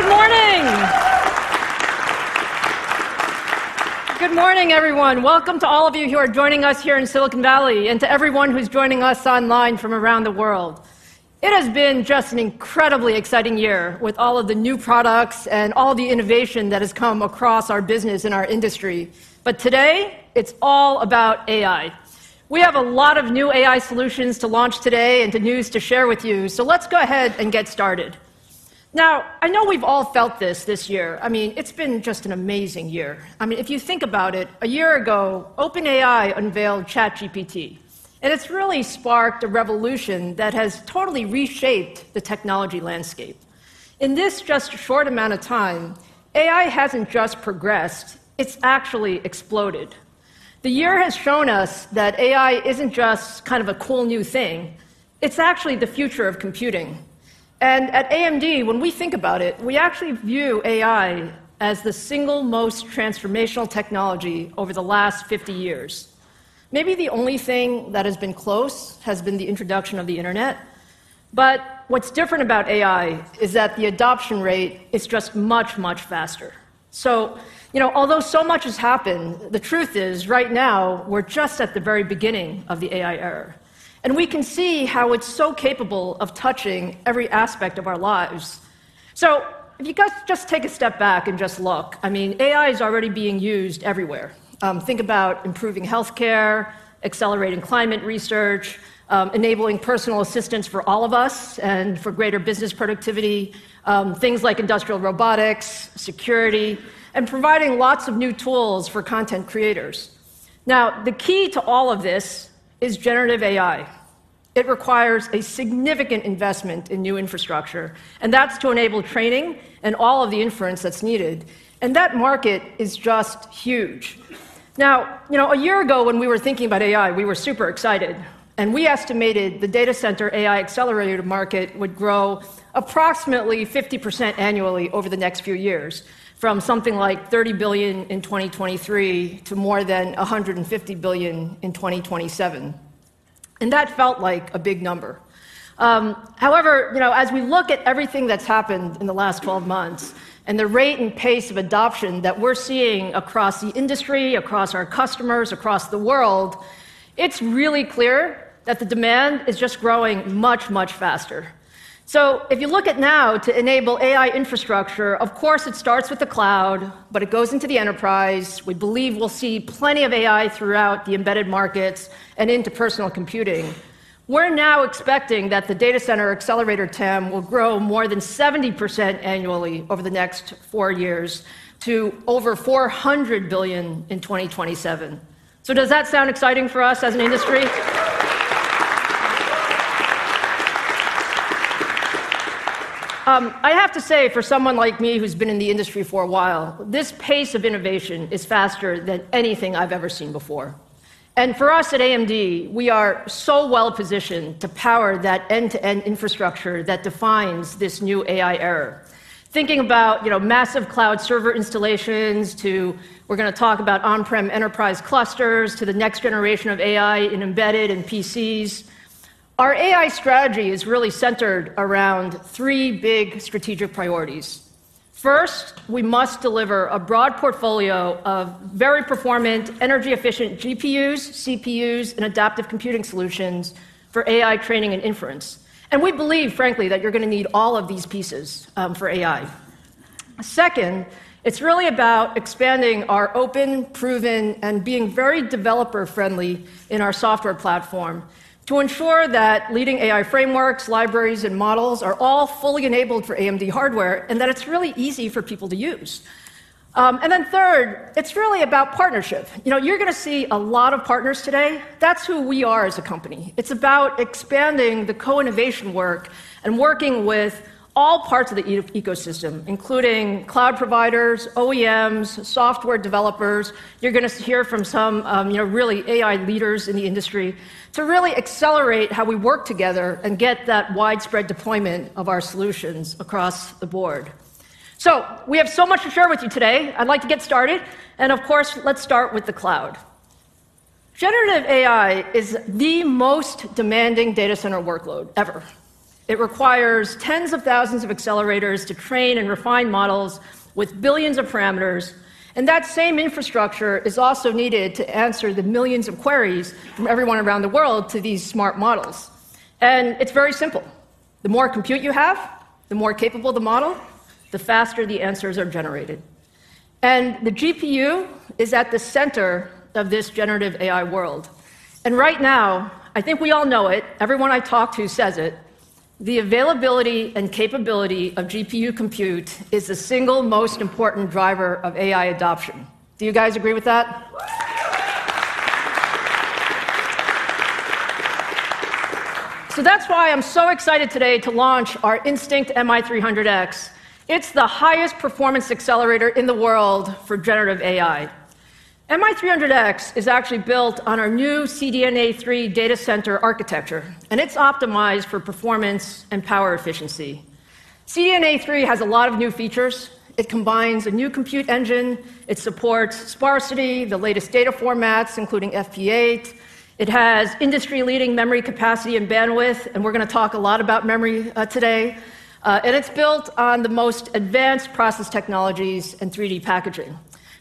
Good morning! Good morning, everyone. Welcome to all of you who are joining us here in Silicon Valley, and to everyone who's joining us online from around the world. It has been just an incredibly exciting year, with all of the new products and all the innovation that has come across our business and our industry, but today, it's all about AI. We have a lot of new AI solutions to launch today, and the news to share with you, so let's go ahead and get started. Now, I know we've all felt this this year. I mean, it's been just an amazing year. I mean, if you think about it, a year ago, OpenAI unveiled ChatGPT, and it's really sparked a revolution that has totally reshaped the technology landscape. In this just short amount of time, AI hasn't just progressed, it's actually exploded. The year has shown us that AI isn't just kind of a cool new thing, it's actually the future of computing. And at AMD, when we think about it, we actually view AI as the single most transformational technology over the last 50 years. Maybe the only thing that has been close has been the introduction of the internet, but what's different about AI is that the adoption rate is just much, much faster. So, you know, although so much has happened, the truth is, right now, we're just at the very beginning of the AI era, and we can see how it's so capable of touching every aspect of our lives. So if you guys just take a step back and just look, I mean, AI is already being used everywhere. Think about improving healthcare, accelerating climate research, enabling personal assistants for all of us, and for greater business productivity, things like industrial robotics, security, and providing lots of new tools for content creators. Now, the key to all of this is generative AI. It requires a significant investment in new infrastructure, and that's to enable training and all of the inference that's needed, and that market is just huge. Now, you know, a year ago, when we were thinking about AI, we were super excited, and we estimated the data center AI accelerator market would grow approximately 50% annually over the next few years, from something like $30 billion in 2023 to more than $150 billion in 2027, and that felt like a big number. However, you know, as we look at everything that's happened in the last 12 months, and the rate and pace of adoption that we're seeing across the industry, across our customers, across the world, it's really clear that the demand is just growing much, much faster. So if you look at now to enable AI infrastructure, of course, it starts with the cloud, but it goes into the enterprise. We believe we'll see plenty of AI throughout the embedded markets and into personal computing. We're now expecting that the data center accelerator TAM will grow more than 70% annually over the next four years, to over $400 billion in 2027. So does that sound exciting for us as an industry? I have to say, for someone like me, who's been in the industry for a while, this pace of innovation is faster than anything I've ever seen before. For us at AMD, we are so well-positioned to power that end-to-end infrastructure that defines this new AI era. Thinking about, you know, massive cloud server installations, to... We're gonna talk about on-prem enterprise clusters, to the next generation of AI in embedded and PCs. Our AI strategy is really centered around three big strategic priorities. First, we must deliver a broad portfolio of very performant, energy-efficient GPUs, CPUs, and adaptive computing solutions for AI training and inference, and we believe, frankly, that you're gonna need all of these pieces for AI. Second, it's really about expanding our open, proven, and being very developer-friendly in our software platform to ensure that leading AI frameworks, libraries, and models are all fully enabled for AMD hardware, and that it's really easy for people to use. And then third, it's really about partnership. You know, you're gonna see a lot of partners today. That's who we are as a company. It's about expanding the co-innovation work and working with all parts of the ecosystem, including cloud providers, OEMs, software developers—you're gonna hear from some, you know, really AI leaders in the industry—to really accelerate how we work together and get that widespread deployment of our solutions across the board. So we have so much to share with you today. I'd like to get started, and of course, let's start with the cloud. Generative AI is the most demanding data center workload ever. It requires tens of thousands of accelerators to train and refine models with billions of parameters, and that same infrastructure is also needed to answer the millions of queries from everyone around the world to these smart models. It's very simple: the more compute you have, the more capable the model, the faster the answers are generated. The GPU is at the center of this generative AI world. Right now, I think we all know it, everyone I talk to says it, the availability and capability of GPU compute is the single most important driver of AI adoption. Do you guys agree with that? That's why I'm so excited today to launch our Instinct MI300X. It's the highest performance accelerator in the world for generative AI... MI300X is actually built on our new CDNA 3 data center architecture, and it's optimized for performance and power efficiency. CDNA 3 has a lot of new features. It combines a new compute engine, it supports sparsity, the latest data formats, including FP8, it has industry leading memory capacity and bandwidth, and we're gonna talk a lot about memory, today. And it's built on the most advanced process technologies and 3D packaging.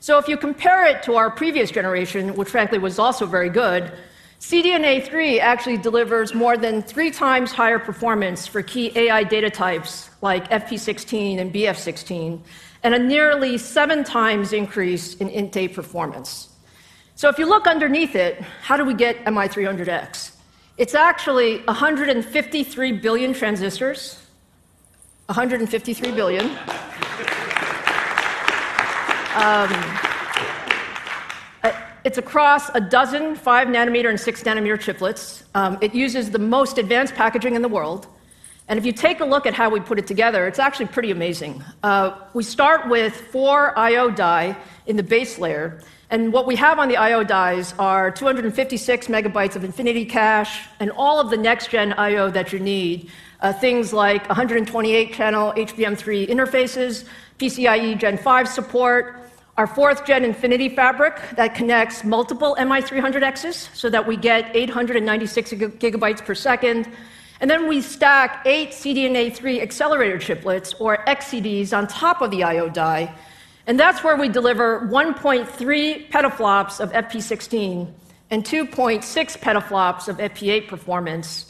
So if you compare it to our previous generation, which frankly was also very good, CDNA 3 actually delivers more than 3x higher performance for key AI data types, like FP16 and BF16, and a nearly 7x increase in INT8 performance. So if you look underneath it, how do we get MI300X? It's actually 153 billion transistors, 153 billion. It's across a dozen 5 nm and 6 nm chiplets. It uses the most advanced packaging in the world, and if you take a look at how we put it together, it's actually pretty amazing. We start with four I/O Die in the base layer, and what we have on the I/O Dies are 256 MB of Infinity Cache and all of the next-gen I/O that you need. Things like 128-channel HBM3 interfaces, PCIe Gen 5 support, our fourth-gen Infinity Fabric that connects multiple MI300Xs, so that we get 896 GB per second. And then we stack eight CDNA 3 accelerator chiplets or XCDs on top of the I/O die, and that's where we deliver 1.3 petaflops of FP16 and 2.6 petaflops of FP8 performance.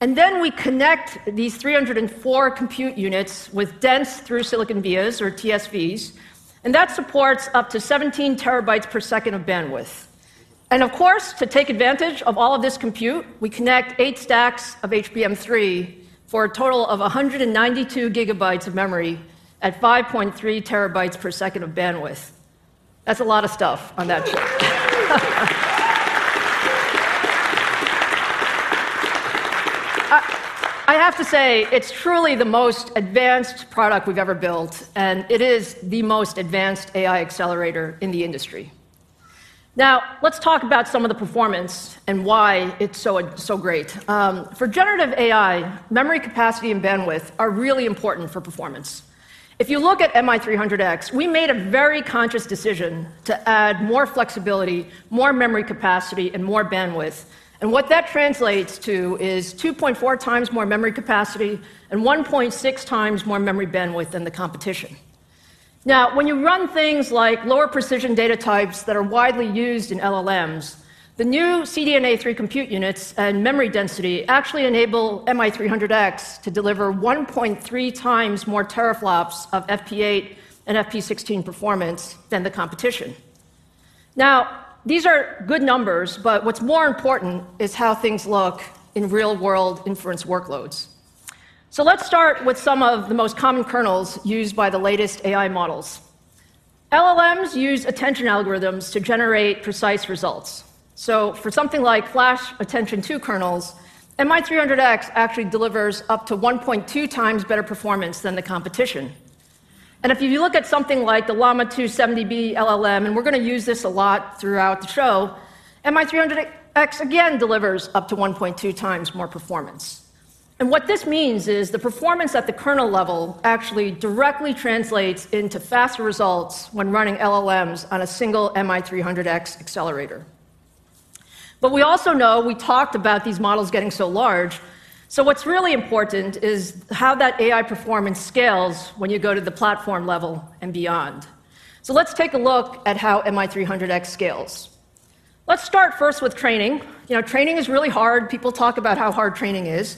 And then we connect these 304 compute units with dense through-silicon vias or TSVs, and that supports up to 17 TB per second of bandwidth. Of course, to take advantage of all of this compute, we connect eight stacks of HBM3, for a total of 192 GB of memory at 5.3 TB/s of bandwidth. That's a lot of stuff on that chip. I, I have to say, it's truly the most advanced product we've ever built, and it is the most advanced AI accelerator in the industry. Now, let's talk about some of the performance and why it's so great. For generative AI, memory capacity and bandwidth are really important for performance. If you look at MI300X, we made a very conscious decision to add more flexibility, more memory capacity, and more bandwidth, and what that translates to is 2.4x more memory capacity and 1.6x more memory bandwidth than the competition. Now, when you run things like lower precision data types that are widely used in LLMs, the new CDNA3 compute units and memory density actually enable MI300X to deliver 1.3x more teraflops of FP8 and FP16 performance than the competition. Now, these are good numbers, but what's more important is how things look in real world inference workloads. So let's start with some of the most common kernels used by the latest AI models. LLMs use attention algorithms to generate precise results. So for something like FlashAttention-2 kernels, MI300X actually delivers up to 1.2x better performance than the competition. And if you look at something like the Llama 2 70B LLM, and we're gonna use this a lot throughout the show, MI300X, again, delivers up to 1.2x more performance. What this means is, the performance at the kernel level actually directly translates into faster results when running LLMs on a single MI300X accelerator. We also know... We talked about these models getting so large, so what's really important is how that AI performance scales when you go to the platform level and beyond. Let's take a look at how MI300X scales. Let's start first with training. You know, training is really hard. People talk about how hard training is.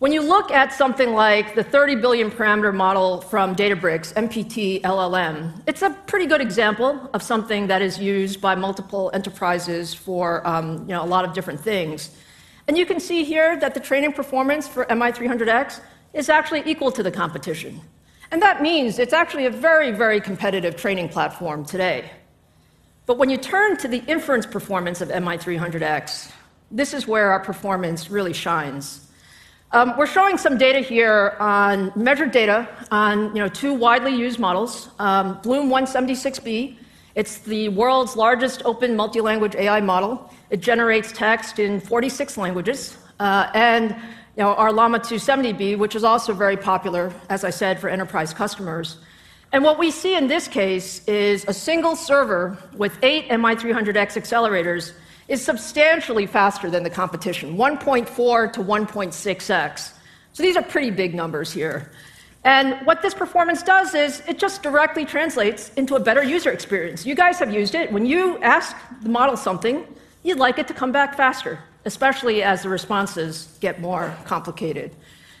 When you look at something like the 30 billion parameter model from Databricks, MPT-LLM, it's a pretty good example of something that is used by multiple enterprises for, you know, a lot of different things. You can see here that the training performance for MI300X is actually equal to the competition, and that means it's actually a very, very competitive training platform today. But when you turn to the inference performance of MI300X, this is where our performance really shines. We're showing some data here on measured data on, you know, two widely used models. Bloom 176B, it's the world's largest open multi-language AI model. It generates text in 46 languages. And, you know, our Llama 2 70B, which is also very popular, as I said, for enterprise customers. And what we see in this case is a single server with eight MI300X accelerators is substantially faster than the competition, 1.4x-1.6x. So these are pretty big numbers here. And what this performance does is, it just directly translates into a better user experience. You guys have used it. When you ask the model something, you'd like it to come back faster, especially as the responses get more complicated.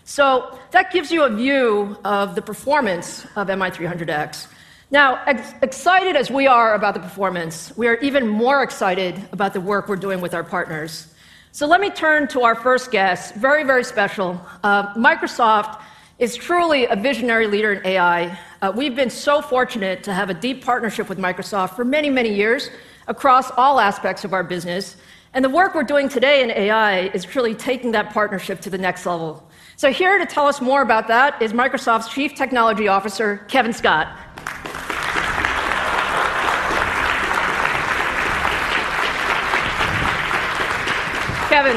So that gives you a view of the performance of MI300X. Now, excited as we are about the performance, we are even more excited about the work we're doing with our partners. So let me turn to our first guest, very, very special. Microsoft is truly a visionary leader in AI. We've been so fortunate to have a deep partnership with Microsoft for many, many years across all aspects of our business, and the work we're doing today in AI is truly taking that partnership to the next level. So here to tell us more about that is Microsoft's Chief Technology Officer, Kevin Scott.... Kevin,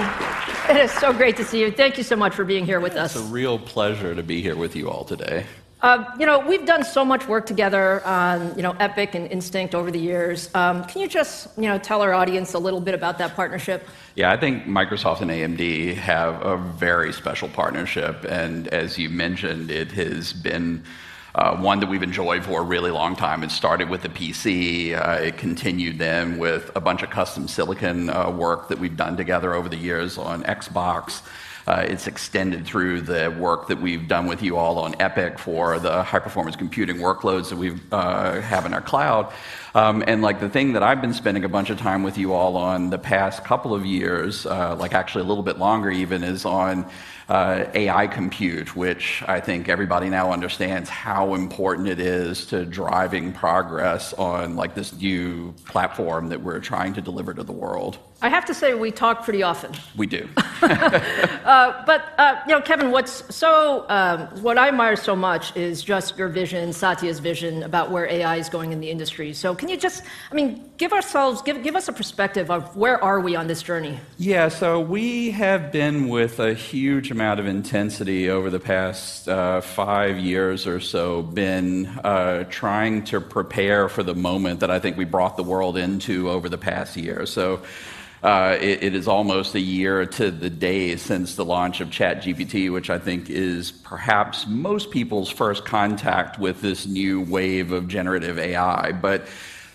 it is so great to see you. Thank you so much for being here with us. It's a real pleasure to be here with you all today. You know, we've done so much work together on, you know, EPYC and Instinct over the years. Can you just, you know, tell our audience a little bit about that partnership? Yeah, I think Microsoft and AMD have a very special partnership, and as you mentioned, it has been one that we've enjoyed for a really long time. It started with the PC, it continued then with a bunch of custom silicon work that we've done together over the years on Xbox. It's extended through the work that we've done with you all on EPYC for the high-performance computing workloads that we have in our cloud. And like, the thing that I've been spending a bunch of time with you all on the past couple of years, like actually a little bit longer even, is on AI compute, which I think everybody now understands how important it is to driving progress on, like, this new platform that we're trying to deliver to the world. I have to say, we talk pretty often. We do. you know, Kevin, what I admire so much is just your vision, Satya's vision, about where AI is going in the industry. So can you just... I mean, give us a perspective of where are we on this journey? Yeah, so we have been, with a huge amount of intensity over the past five years or so, trying to prepare for the moment that I think we brought the world into over the past year. So, it is almost a year to the day since the launch of ChatGPT, which I think is perhaps most people's first contact with this new wave of generative AI. But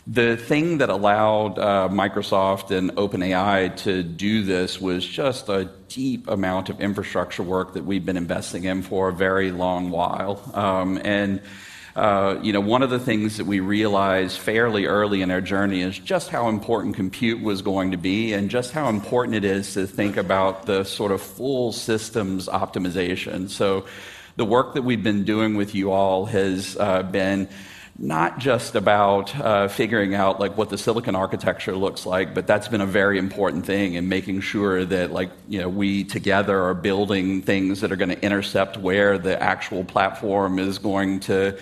the thing that allowed Microsoft and OpenAI to do this was just a deep amount of infrastructure work that we've been investing in for a very long while. And, you know, one of the things that we realized fairly early in our journey is just how important compute was going to be, and just how important it is to think about the sort of full systems optimization. So the work that we've been doing with you all has been not just about figuring out, like, what the silicon architecture looks like, but that's been a very important thing in making sure that, like, you know, we together are building things that are gonna intercept where the actual platform is going to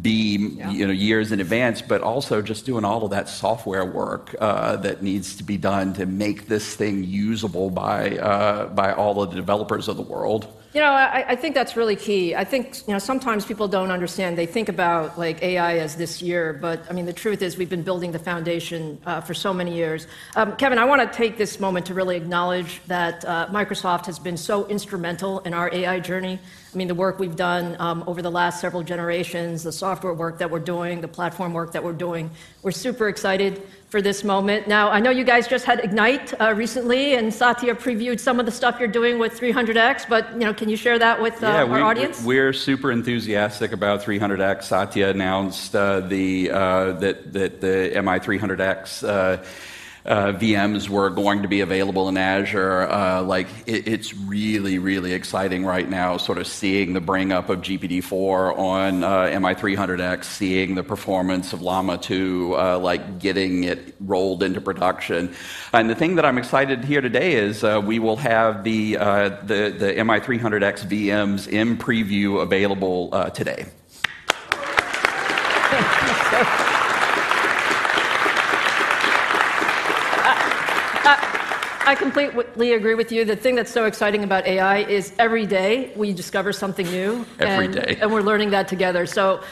be- Yeah... you know, years in advance. But also, just doing all of that software work, that needs to be done to make this thing usable by, by all of the developers of the world. You know, I think that's really key. I think, you know, sometimes people don't understand. They think about, like, AI as this year, but, I mean, the truth is, we've been building the foundation for so many years. Kevin, I wanna take this moment to really acknowledge that Microsoft has been so instrumental in our AI journey. I mean, the work we've done over the last several generations, the software work that we're doing, the platform work that we're doing, we're super excited for this moment. Now, I know you guys just had Ignite recently, and Satya previewed some of the stuff you're doing with MI300X, but, you know, can you share that with our audience? Yeah, we're super enthusiastic about 300X. Satya announced that the MI300X VMs were going to be available in Azure. Like, it's really, really exciting right now, sort of seeing the bring-up of GPT-4 on MI300X, seeing the performance of Llama 2, like, getting it rolled into production. And the thing that I'm excited to hear today is, we will have the MI300X VMs in preview available today. I completely agree with you. The thing that's so exciting about AI is every day we discover something new, and- Every day... and we're learning that together. So,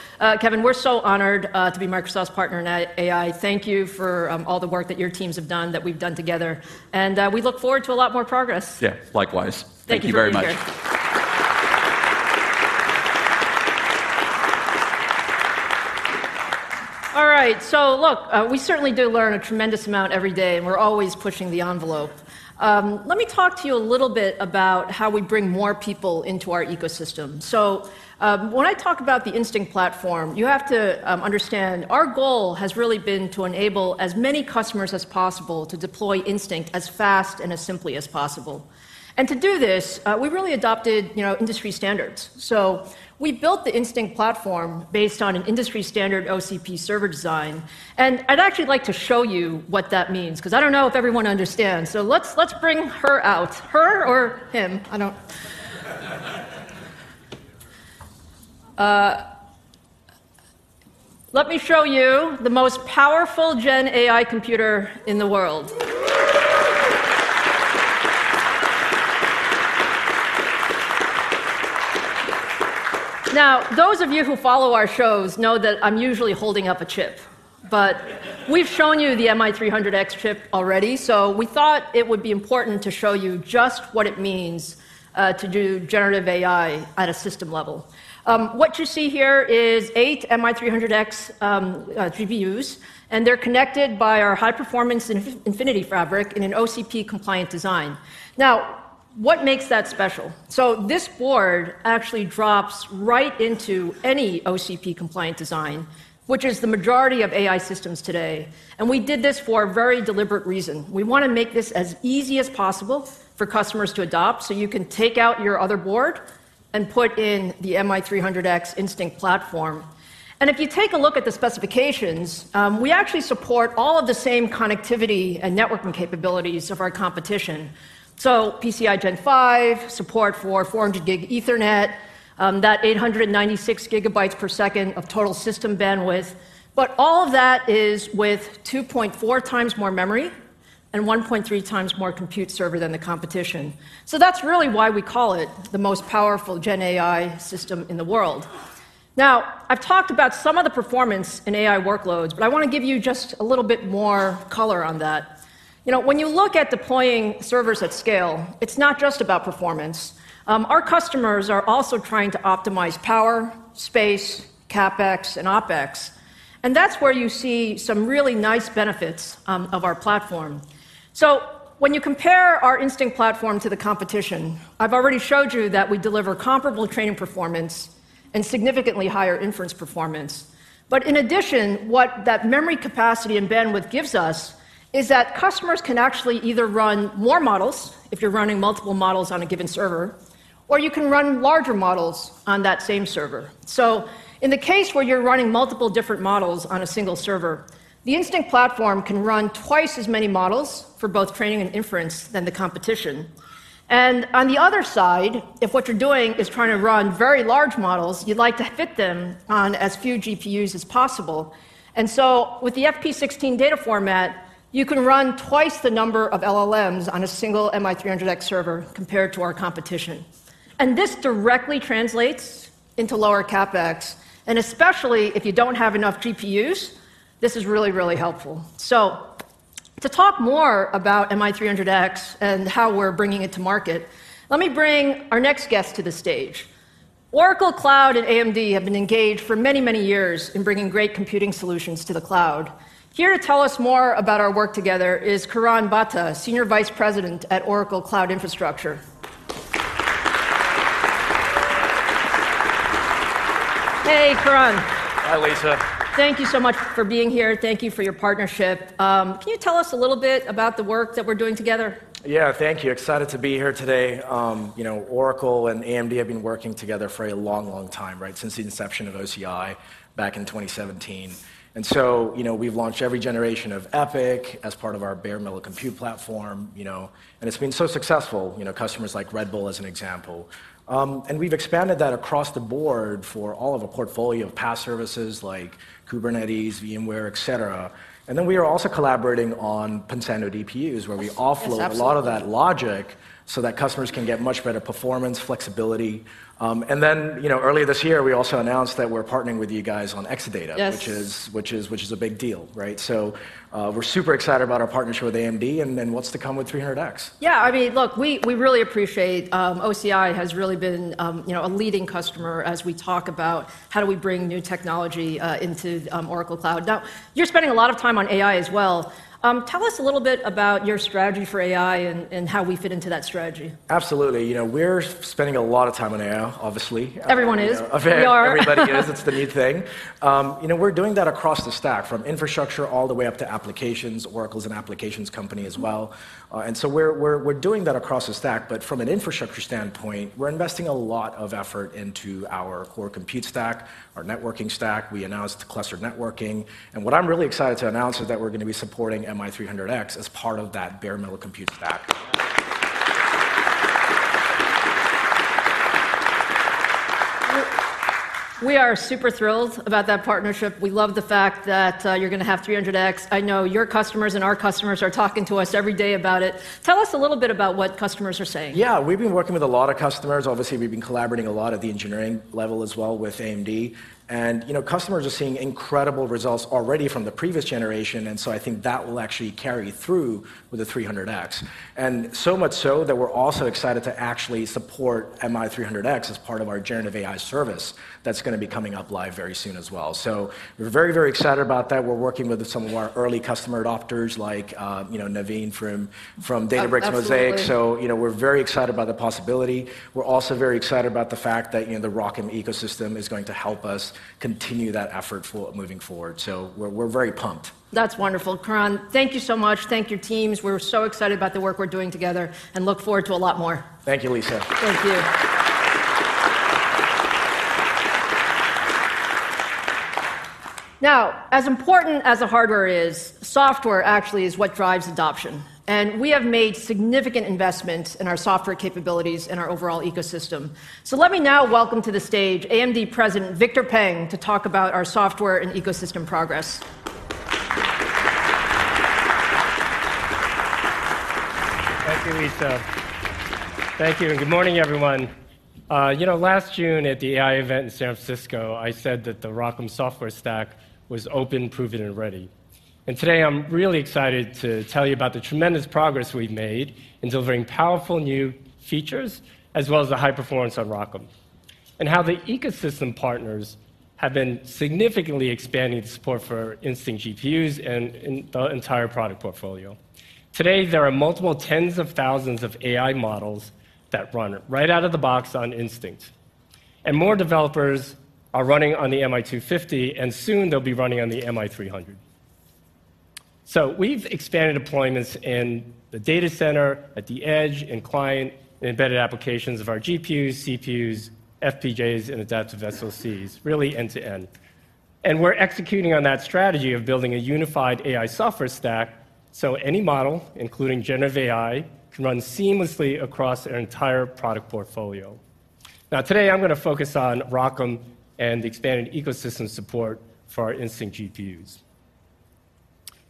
Kevin, we're so honored to be Microsoft's partner in AI. Thank you for all the work that your teams have done, that we've done together, and we look forward to a lot more progress. Yeah, likewise. Thank you for being here. Thank you very much. All right, so look, we certainly do learn a tremendous amount every day, and we're always pushing the envelope. Let me talk to you a little bit about how we bring more people into our ecosystem. So, when I talk about the Instinct platform, you have to understand, our goal has really been to enable as many customers as possible to deploy Instinct as fast and as simply as possible. And to do this, we really adopted, you know, industry standards. So we built the Instinct platform based on an industry-standard OCP server design, and I'd actually like to show you what that means, 'cause I don't know if everyone understands. So let's, let's bring her out. Her or him, I don't... Let me show you the most powerful Gen AI computer in the world. Now, those of you who follow our shows know that I'm usually holding up a chip. But we've shown you the MI300X chip already, so we thought it would be important to show you just what it means to do generative AI at a system level. What you see here is eight MI300X GPUs, and they're connected by our high-performance Infinity Fabric in an OCP-compliant design. Now, what makes that special? So this board actually drops right into any OCP-compliant design, which is the majority of AI systems today, and we did this for a very deliberate reason. We wanna make this as easy as possible for customers to adopt, so you can take out your other board and put in the MI300X Instinct platform. If you take a look at the specifications, we actually support all of the same connectivity and networking capabilities of our competition. So PCIe Gen 5, support for 400Gb Ethernet, that 896 GB/s of total system bandwidth, but all of that is with 2.4x more memory and 1.3x more compute server than the competition. So that's really why we call it the most powerful Gen AI system in the world. Now, I've talked about some of the performance in AI workloads, but I wanna give you just a little bit more color on that. You know, when you look at deploying servers at scale, it's not just about performance. Our customers are also trying to optimize power, space, CapEx, and OpEx, and that's where you see some really nice benefits of our platform. So when you compare our Instinct platform to the competition, I've already showed you that we deliver comparable training performance and significantly higher inference performance. But in addition, what that memory capacity and bandwidth gives us is that customers can actually either run more models, if you're running multiple models on a given server, or you can run larger models on that same server. So in the case where you're running multiple different models on a single server, the Instinct platform can run twice as many models for both training and inference than the competition. And on the other side, if what you're doing is trying to run very large models, you'd like to fit them on as few GPUs as possible. And so with the FP16 data format, you can run twice the number of LLMs on a single MI300X server compared to our competition. And this directly translates into lower CapEx, and especially if you don't have enough GPUs, this is really, really helpful. So to talk more about MI300X and how we're bringing it to market, let me bring our next guest to the stage. Oracle Cloud and AMD have been engaged for many, many years in bringing great computing solutions to the cloud. Here to tell us more about our work together is Karan Batta, Senior Vice President at Oracle Cloud Infrastructure. Hey, Karan. Hi, Lisa. Thank you so much for being here. Thank you for your partnership. Can you tell us a little bit about the work that we're doing together? Yeah, thank you. Excited to be here today. You know, Oracle and AMD have been working together for a long, long time, right? Since the inception of OCI back in 2017. And so, you know, we've launched every generation of EPYC as part of our bare metal compute platform, you know, and it's been so successful, you know, customers like Red Bull as an example. And we've expanded that across the board for all of our portfolio of PaaS services like Kubernetes, VMware, et cetera. And then we are also collaborating on Pensando DPUs- Yes. Yes, absolutely. -where we offload a lot of that logic so that customers can get much better performance, flexibility. And then, you know, earlier this year, we also announced that we're partnering with you guys on Exadata- Yes... which is a big deal, right? So, we're super excited about our partnership with AMD and then what's to come with 300X. Yeah, I mean, look, we, we really appreciate, OCI has really been, you know, a leading customer as we talk about how do we bring new technology, into, Oracle Cloud. Now, you're spending a lot of time on AI as well. Tell us a little bit about your strategy for AI and, and how we fit into that strategy. Absolutely. You know, we're spending a lot of time on AI, obviously. Everyone is. We are. Everybody is. It's the new thing. You know, we're doing that across the stack, from infrastructure all the way up to applications. Oracle's an applications company as well. Mm-hmm. And so we're doing that across the stack, but from an infrastructure standpoint, we're investing a lot of effort into our core compute stack, our networking stack. We announced clustered networking, and what I'm really excited to announce is that we're gonna be supporting MI300X as part of that bare metal compute stack. We are super thrilled about that partnership. We love the fact that you're gonna have 300X. I know your customers and our customers are talking to us every day about it. Tell us a little bit about what customers are saying. Yeah, we've been working with a lot of customers. Obviously, we've been collaborating a lot at the engineering level as well with AMD. You know, customers are seeing incredible results already from the previous generation, and so I think that will actually carry through with the 300X. And so much so that we're also excited to actually support MI300X as part of our generative AI service that's gonna be coming up live very soon as well. So we're very, very excited about that. We're working with some of our early customer adopters like, you know, Naveen from Databricks Mosaic. Absolutely. So, you know, we're very excited about the possibility. We're also very excited about the fact that, you know, the ROCm ecosystem is going to help us continue that effort moving forward. So we're very pumped. That's wonderful. Karan, thank you so much. Thank your teams. We're so excited about the work we're doing together and look forward to a lot more. Thank you, Lisa. Thank you. Now, as important as the hardware is, software actually is what drives adoption, and we have made significant investments in our software capabilities and our overall ecosystem. So let me now welcome to the stage AMD President Victor Peng, to talk about our software and ecosystem progress. Thank you, Lisa. Thank you, and good morning, everyone. You know, last June at the AI event in San Francisco, I said that the ROCm software stack was open, proven, and ready. And today, I'm really excited to tell you about the tremendous progress we've made in delivering powerful new features, as well as the high performance on ROCm, and how the ecosystem partners have been significantly expanding the support for Instinct GPUs and in the entire product portfolio. Today, there are multiple tens of thousands of AI models that run right out of the box on Instinct, and more developers are running on the MI250, and soon they'll be running on the MI300. So we've expanded deployments in the data center, at the edge, in client, and embedded applications of our GPUs, CPUs, FPGAs, and adaptive SoCs, really end-to-end. We're executing on that strategy of building a unified AI software stack so any model, including generative AI, can run seamlessly across our entire product portfolio. Now today, I'm gonna focus on ROCm and the expanded ecosystem support for our Instinct GPUs.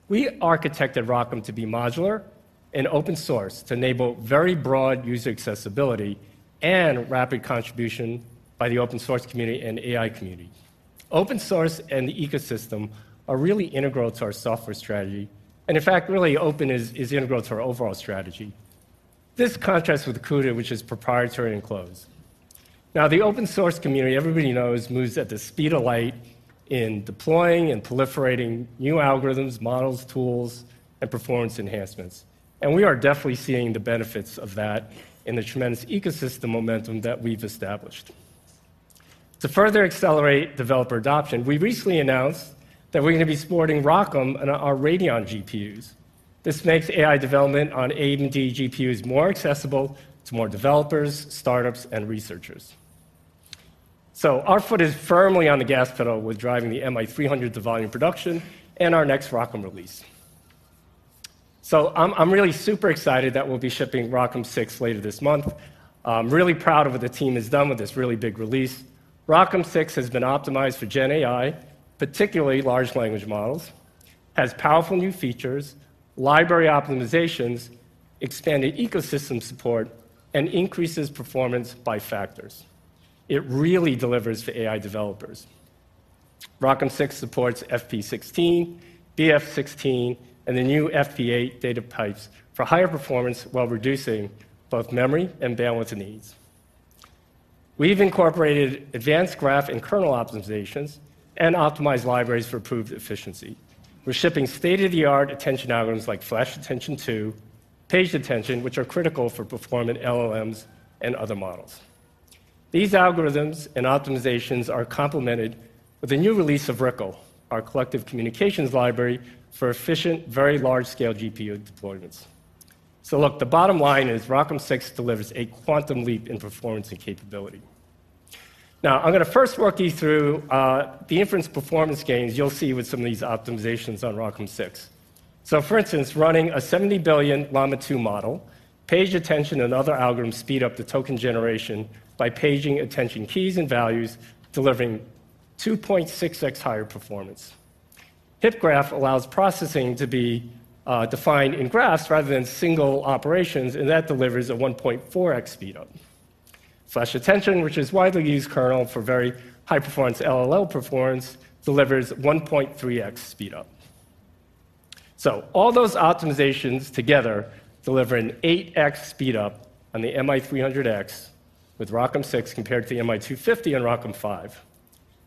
We architected ROCm to be modular and open source to enable very broad user accessibility and rapid contribution by the open source community and AI community. Open source and the ecosystem are really integral to our software strategy, and in fact, really open is, is integral to our overall strategy. This contrasts with CUDA, which is proprietary and closed. Now, the open source community, everybody knows, moves at the speed of light in deploying and proliferating new algorithms, models, tools, and performance enhancements, and we are definitely seeing the benefits of that in the tremendous ecosystem momentum that we've established. To further accelerate developer adoption, we recently announced that we're gonna be supporting ROCm on our Radeon GPUs. This makes AI development on AMD GPUs more accessible to more developers, startups, and researchers. So our foot is firmly on the gas pedal with driving the MI300 to volume production and our next ROCm release. So I'm, I'm really super excited that we'll be shipping ROCm 6 later this month. I'm really proud of what the team has done with this really big release. ROCm 6 has been optimized for gen AI, particularly large language models, has powerful new features, library optimizations, expanded ecosystem support, and increases performance by factors. It really delivers for AI developers. ROCm 6 supports FP16, BF16, and the new FP8 data types for higher performance while reducing both memory and bandwidth needs. We've incorporated advanced graph and kernel optimizations and optimized libraries for improved efficiency. We're shipping state-of-the-art attention algorithms like FlashAttention-2, PageAttention, which are critical for performing LLMs and other models. These algorithms and optimizations are complemented with the new release of RCCL, our collective communications library for efficient, very large-scale GPU deployments. So look, the bottom line is ROCm 6 delivers a quantum leap in performance and capability. Now, I'm gonna first walk you through the inference performance gains you'll see with some of these optimizations on ROCm 6. So for instance, running a 70 billion Llama 2 model, PageAttention and other algorithms speed up the token generation by paging attention keys and values, delivering 2.6x higher performance. HIP Graph allows processing to be defined in graphs rather than single operations, and that delivers a 1.4x speed-up. FlashAttention, which is a widely used kernel for very high-performance LLM performance, delivers 1.3x speed-up. So all those optimizations together deliver an 8x speed-up on the MI300X with ROCm 6 compared to the MI250 on ROCm 5.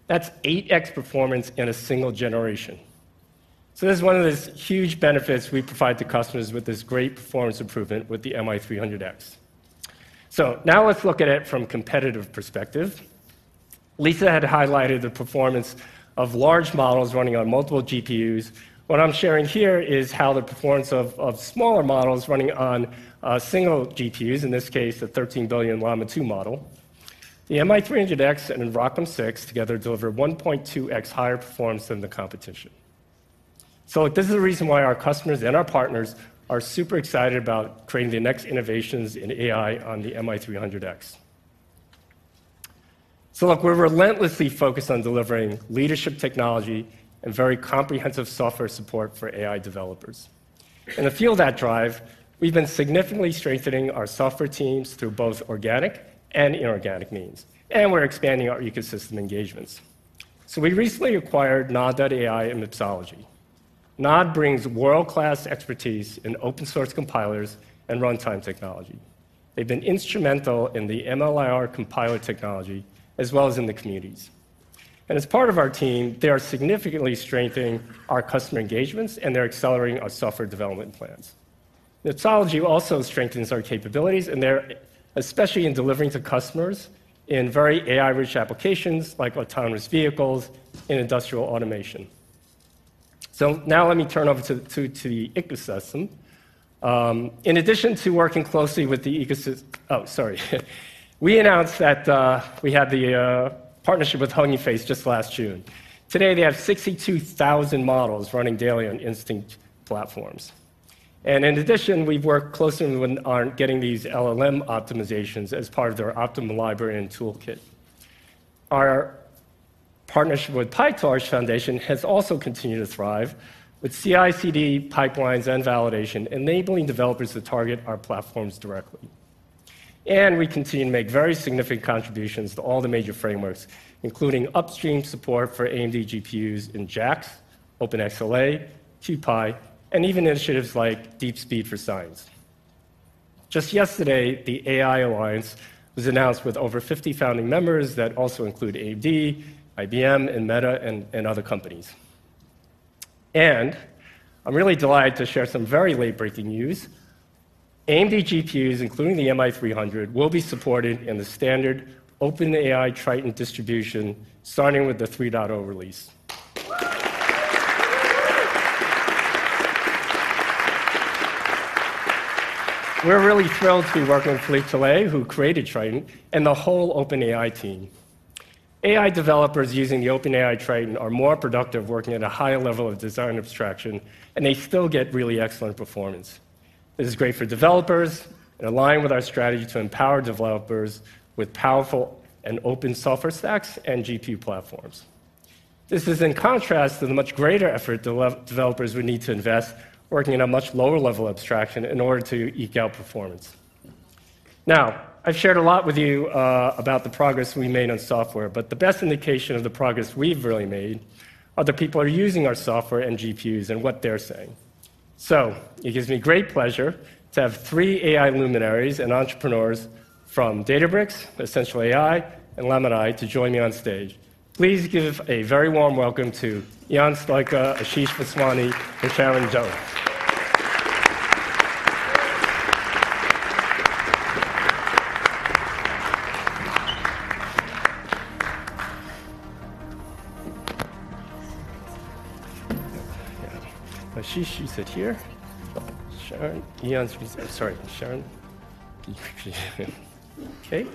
That's 8x performance in a single generation. So this is one of those huge benefits we provide to customers with this great performance improvement with the MI300X. So now let's look at it from a competitive perspective. Lisa had highlighted the performance of large models running on multiple GPUs. What I'm sharing here is how the performance of, of smaller models running on, single GPUs, in this case, the 13 billion Llama 2 model. The MI300X and ROCm 6 together deliver 1.2x higher performance than the competition. So this is the reason why our customers and our partners are super excited about creating the next innovations in AI on the MI300X. So look, we're relentlessly focused on delivering leadership technology and very comprehensive software support for AI developers. In the field that drives, we've been significantly strengthening our software teams through both organic and inorganic means, and we're expanding our ecosystem engagements. So we recently acquired Nod.ai and Mipsology. Nod brings world-class expertise in open source compilers and runtime technology. They've been instrumental in the MLIR compiler technology, as well as in the communities. And as part of our team, they are significantly strengthening our customer engagements, and they're accelerating our software development plans. Mipsology also strengthens our capabilities, and they're especially in delivering to customers in very AI-rich applications like autonomous vehicles and industrial automation. So now let me turn over to the ecosystem. In addition to working closely with the ecosystem. We announced that we had the partnership with Hugging Face just last June. Today, they have 62,000 models running daily on Instinct platforms, and in addition, we've worked closely with them on getting these LLM optimizations as part of their optimal library and toolkit. Our partnership with PyTorch Foundation has also continued to thrive with CICD pipelines and validation, enabling developers to target our platforms directly. We continue to make very significant contributions to all the major frameworks, including upstream support for AMD GPUs in JAX, OpenXLA, CuPy, and even initiatives like DeepSpeed for science. Just yesterday, the AI Alliance was announced with over 50 founding members that also include AMD, IBM, and Meta, and other companies. I'm really delighted to share some very late-breaking news. AMD GPUs, including the MI300, will be supported in the standard OpenAI Triton distribution, starting with the 3.0 release. We're really thrilled to be working with Philippe Tillet, who created Triton, and the whole OpenAI team. AI developers using the OpenAI Triton are more productive working at a higher level of design abstraction, and they still get really excellent performance. This is great for developers, and aligned with our strategy to empower developers with powerful and open software stacks and GPU platforms. This is in contrast to the much greater effort developers would need to invest working at a much lower level abstraction in order to eke out performance. Now, I've shared a lot with you about the progress we made on software, but the best indication of the progress we've really made are the people who are using our software and GPUs, and what they're saying. So it gives me great pleasure to have three AI luminaries and entrepreneurs from Databricks, Essential AI, and Lamini to join me on stage. Please give a very warm welcome to Ion Stoica, Ashish Vaswani, and Sharon Zhou. Yeah. Ashish, you sit here. Sharon, Ion, please... Sorry, Sharon. Okay,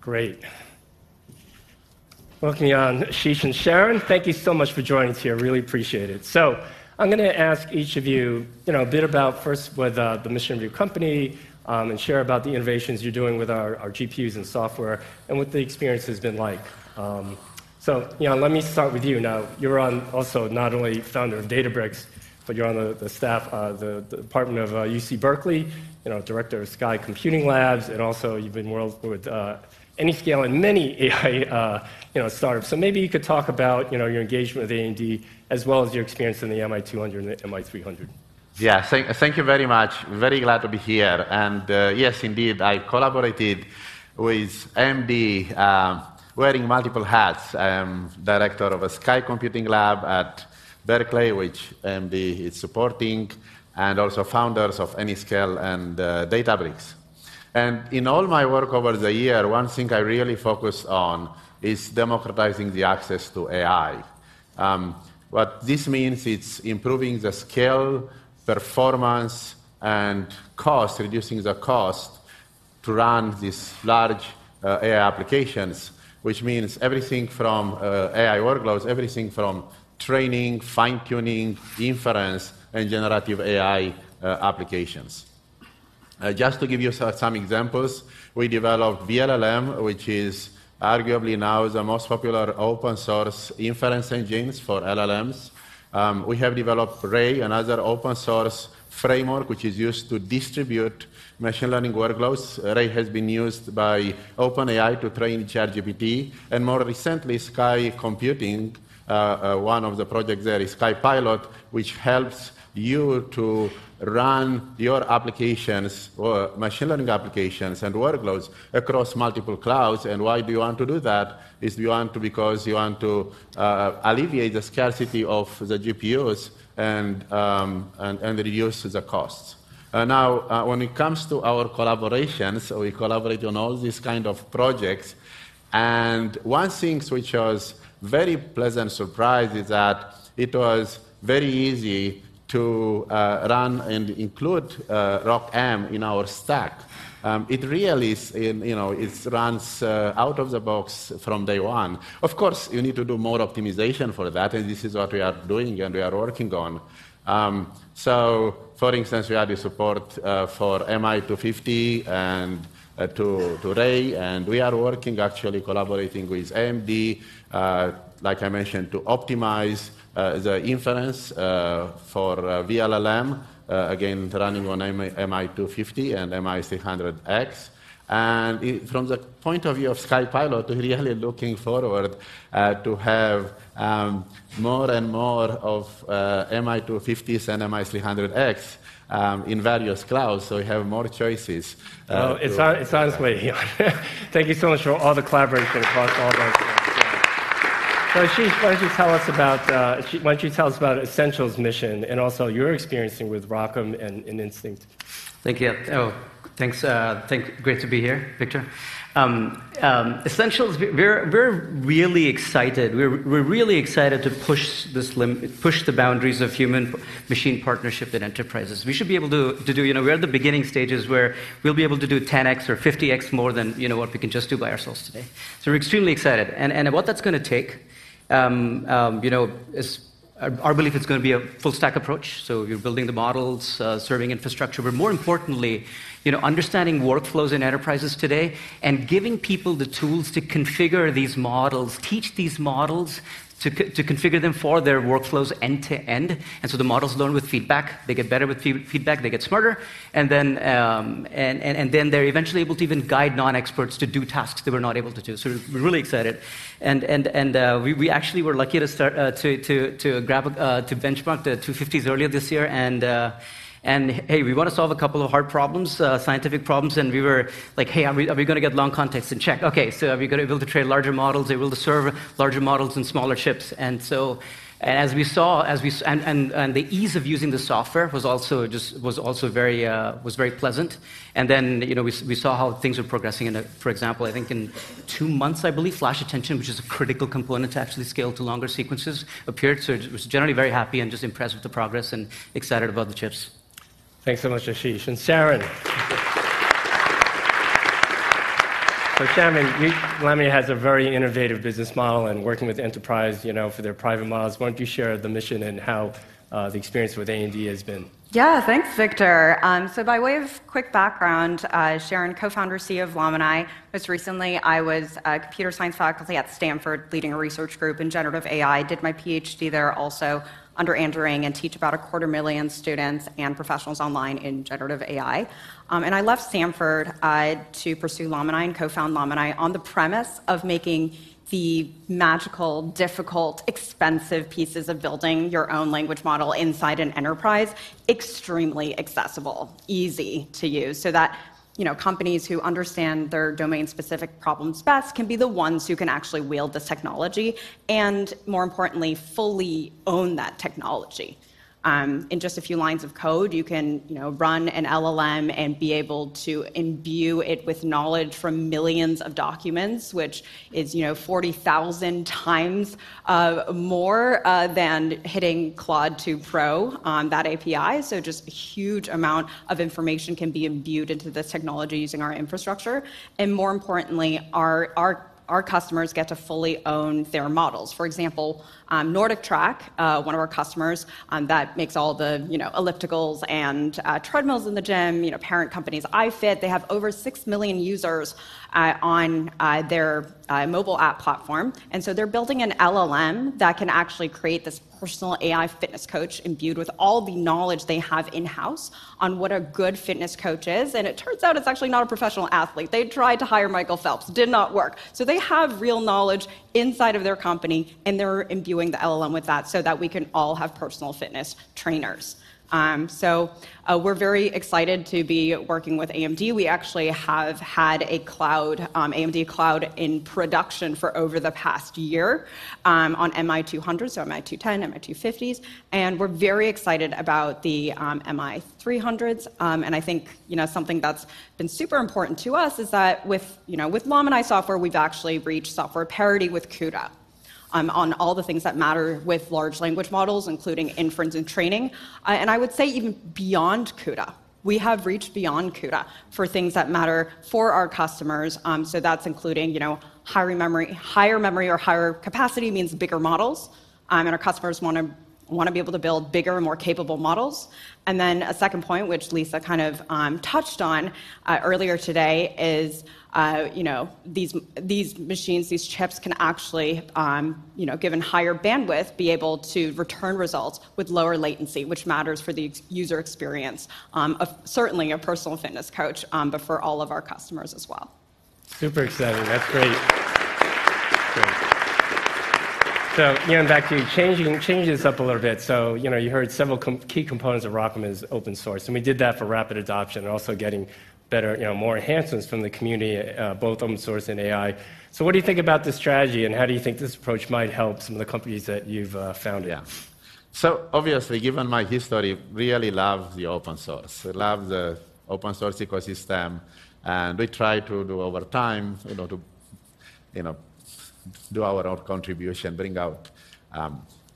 great. Welcome, Ion, Ashish, and Sharon. Thank you so much for joining us here. Really appreciate it. So I'm gonna ask each of you, you know, a bit about first what, the mission of your company, and share about the innovations you're doing with our, our GPUs and software, and what the experience has been like. So Ion, let me start with you. Now, you're also not only founder of Databricks, but you're on the staff of the department of UC Berkeley, you know, Director of Sky Computing Labs, and also you've been involved with Anyscale and many AI, you know, startups. So maybe you could talk about, you know, your engagement with AMD, as well as your experience in the MI200 and the MI300. Yeah. Thank you very much. Very glad to be here, and yes, indeed, I collaborated with AMD, wearing multiple hats. I am director of a Sky Computing Lab at Berkeley, which AMD is supporting, and also founders of Anyscale and Databricks. And in all my work over the year, one thing I really focus on is democratizing the access to AI. What this means, it's improving the scale, performance, and cost, reducing the cost to run these large AI applications, which means everything from AI workloads, everything from training, fine-tuning, inference, and generative AI applications. Just to give you some examples, we developed vLLM, which is arguably now the most popular open-source inference engines for LLMs. We have developed Ray, another open-source framework, which is used to distribute machine learning workloads. Ray has been used by OpenAI to train ChatGPT, and more recently, Sky Computing, one of the projects there is SkyPilot, which helps you to run your applications or machine learning applications and workloads across multiple clouds. And why do you want to do that? Because you want to alleviate the scarcity of the GPUs and reduce the costs. Now, when it comes to our collaborations, we collaborate on all these kind of projects, and one things which was very pleasant surprise is that it was very easy to run and include ROCm in our stack. It really is, you know, it runs out of the box from day one. Of course, you need to do more optimization for that, and this is what we are doing and we are working on. So, for instance, we have the support for MI250 and to Ray, and we are working, actually collaborating with AMD, like I mentioned, to optimize the inference for vLLM, again, running on MI250 and MI300X. From the point of view of SkyPilot, we're really looking forward to have more and more of MI250s and MI300X in various clouds, so we have more choices to- Well, honestly, thank you so much for all the collaboration across all of us. So Ashish, why don't you tell us about Essential's mission, and also your experience with ROCm and Instinct? Thank you. Thanks. Great to be here, Victor. Essential, we're really excited. We're really excited to push the boundaries of human-machine partnership in enterprises. We should be able to do. You know, we're at the beginning stages, where we'll be able to do 10x or 50x more than, you know, what we can just do by ourselves today. So we're extremely excited. And what that's gonna take, you know, is our belief, it's gonna be a full stack approach, so you're building the models, serving infrastructure, but more importantly, you know, understanding workflows in enterprises today and giving people the tools to configure these models, teach these models, to configure them for their workflows end to end. And so the models learn with feedback. They get better with feedback, they get smarter, and then they're eventually able to even guide non-experts to do tasks they were not able to do. So we're really excited. We actually were lucky to start to benchmark the 250s earlier this year, and hey, we want to solve a couple of hard problems, scientific problems, and we were like: "Hey, are we gonna get long context?" And check. "Okay, so are we gonna be able to train larger models, able to serve larger models in smaller chips?" And so... As we saw, the ease of using the software was also very pleasant. And then, you know, we saw how things were progressing. For example, I think in two months, I believe, FlashAttention, which is a critical component to actually scale to longer sequences, appeared. So it was generally very happy and just impressed with the progress, and excited about the chips.... Thanks so much, Ashish. And Sharon! So Sharon, Lamini has a very innovative business model and working with enterprise, you know, for their private models. Why don't you share the mission and how the experience with AMD has been? Yeah, thanks, Victor. So by way of quick background, Sharon, co-founder and CEO of Lamini. Most recently, I was a computer science faculty at Stanford, leading a research group in generative AI. Did my PhD there also under Andrew Ng, and teach about a 250,000 students and professionals online in generative AI. I left Stanford to pursue Lamini and co-found Lamini on the premise of making the magical, difficult, expensive pieces of building your own language model inside an enterprise extremely accessible, easy to use, so that, you know, companies who understand their domain specific problems best can be the ones who can actually wield this technology, and more importantly, fully own that technology. In just a few lines of code, you can, you know, run an LLM and be able to imbue it with knowledge from millions of documents, which is, you know, 40,000x more than hitting Claude 2 Pro on that API. So just a huge amount of information can be imbued into this technology using our infrastructure, and more importantly, our customers get to fully own their models. For example, NordicTrack, one of our customers, that makes all the, you know, ellipticals and treadmills in the gym, you know, parent company is iFit. They have over 6 million users on their mobile app platform, and so they're building an LLM that can actually create this personal AI fitness coach imbued with all the knowledge they have in house on what a good fitness coach is, and it turns out it's actually not a professional athlete. They tried to hire Michael Phelps, did not work. So they have real knowledge inside of their company, and they're imbuing the LLM with that so that we can all have personal fitness trainers. So, we're very excited to be working with AMD. We actually have had an AMD cloud in production for over the past year on MI200, so MI210, MI250s, and we're very excited about the MI300s. I think, you know, something that's been super important to us is that with, you know, with Lamini software, we've actually reached software parity with CUDA on all the things that matter with large language models, including inference and training. I would say even beyond CUDA. We have reached beyond CUDA for things that matter for our customers. So that's including, you know, higher memory or higher capacity means bigger models, and our customers wanna be able to build bigger and more capable models. And then a second point, which Lisa kind of touched on earlier today, is, you know, these machines, these chips, can actually, you know, given higher bandwidth, be able to return results with lower latency, which matters for the user experience of certainly a personal fitness coach, but for all of our customers as well. Super exciting. That's great. Great. So Ion, back to you. Changing, changing this up a little bit, so, you know, you heard several key components of ROCm is open source, and we did that for rapid adoption and also getting better, you know, more enhancements from the community, both open source and AI. So what do you think about this strategy, and how do you think this approach might help some of the companies that you've founded? Yeah. So obviously, given my history, really love the open source. I love the open source ecosystem, and we try to do over time, you know, to, you know, do our own contribution, bring out.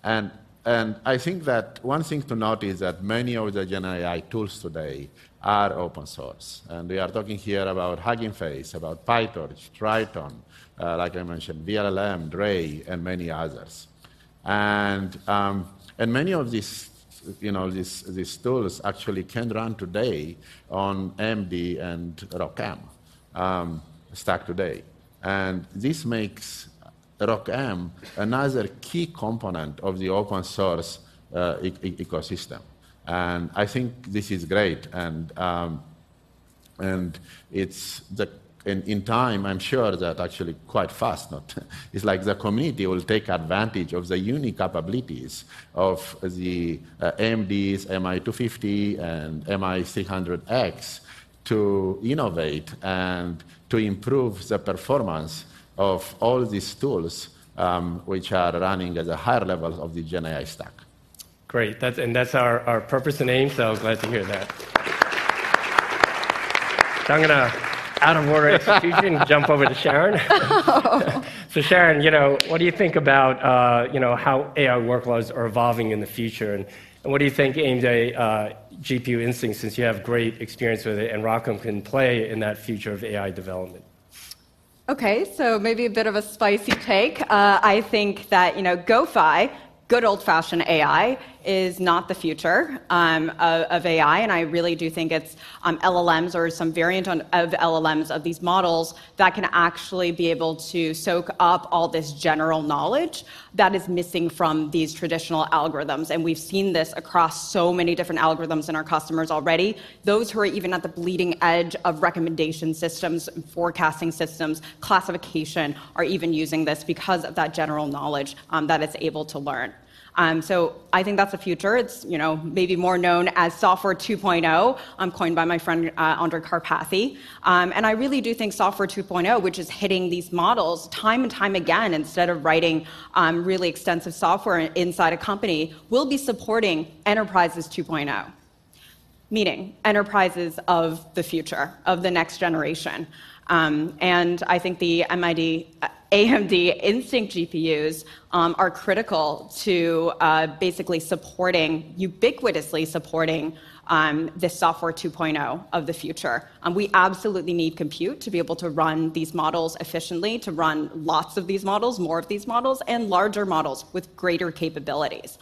And, and I think that one thing to note is that many of the Gen AI tools today are open source, and we are talking here about Hugging Face, about PyTorch, Triton, like I mentioned, vLLM, Ray, and many others. And, and many of these, you know, these, these tools actually can run today on AMD and ROCm stack today. And this makes ROCm another key component of the open source ecosystem, and I think this is great. And, and it's the... In time, I'm sure that actually quite fast, it's like the community will take advantage of the unique capabilities of AMD's MI250 and MI300X to innovate and to improve the performance of all these tools, which are running at the higher levels of the Gen AI stack. Great, that's our purpose and aim, so glad to hear that. I'm gonna, out of order of execution, jump over to Sharon. Oh. So, Sharon, you know, what do you think about, you know, how AI workloads are evolving in the future, and what do you think AMD GPU Instinct, since you have great experience with it, and ROCm can play in that future of AI development? Okay, so maybe a bit of a spicy take. I think that, you know, GOFAI, good old-fashioned AI, is not the future of AI, and I really do think it's LLMs or some variant of LLMs, of these models, that can actually be able to soak up all this general knowledge that is missing from these traditional algorithms, and we've seen this across so many different algorithms in our customers already. Those who are even at the bleeding edge of recommendation systems, forecasting systems, classification, are even using this because of that general knowledge that it's able to learn. So I think that's the future. It's, you know, maybe more known as Software 2.0, coined by my friend, Andrej Karpathy. And I really do think Software 2.0, which is hitting these models time and time again, instead of writing really extensive software inside a company, will be supporting Enterprises 2.0, meaning enterprises of the future, of the next generation. And I think the MI300 AMD Instinct GPUs are critical to basically supporting, ubiquitously supporting this software 2.0 of the future. We absolutely need compute to be able to run these models efficiently, to run lots of these models, more of these models, and larger models with greater capabilities.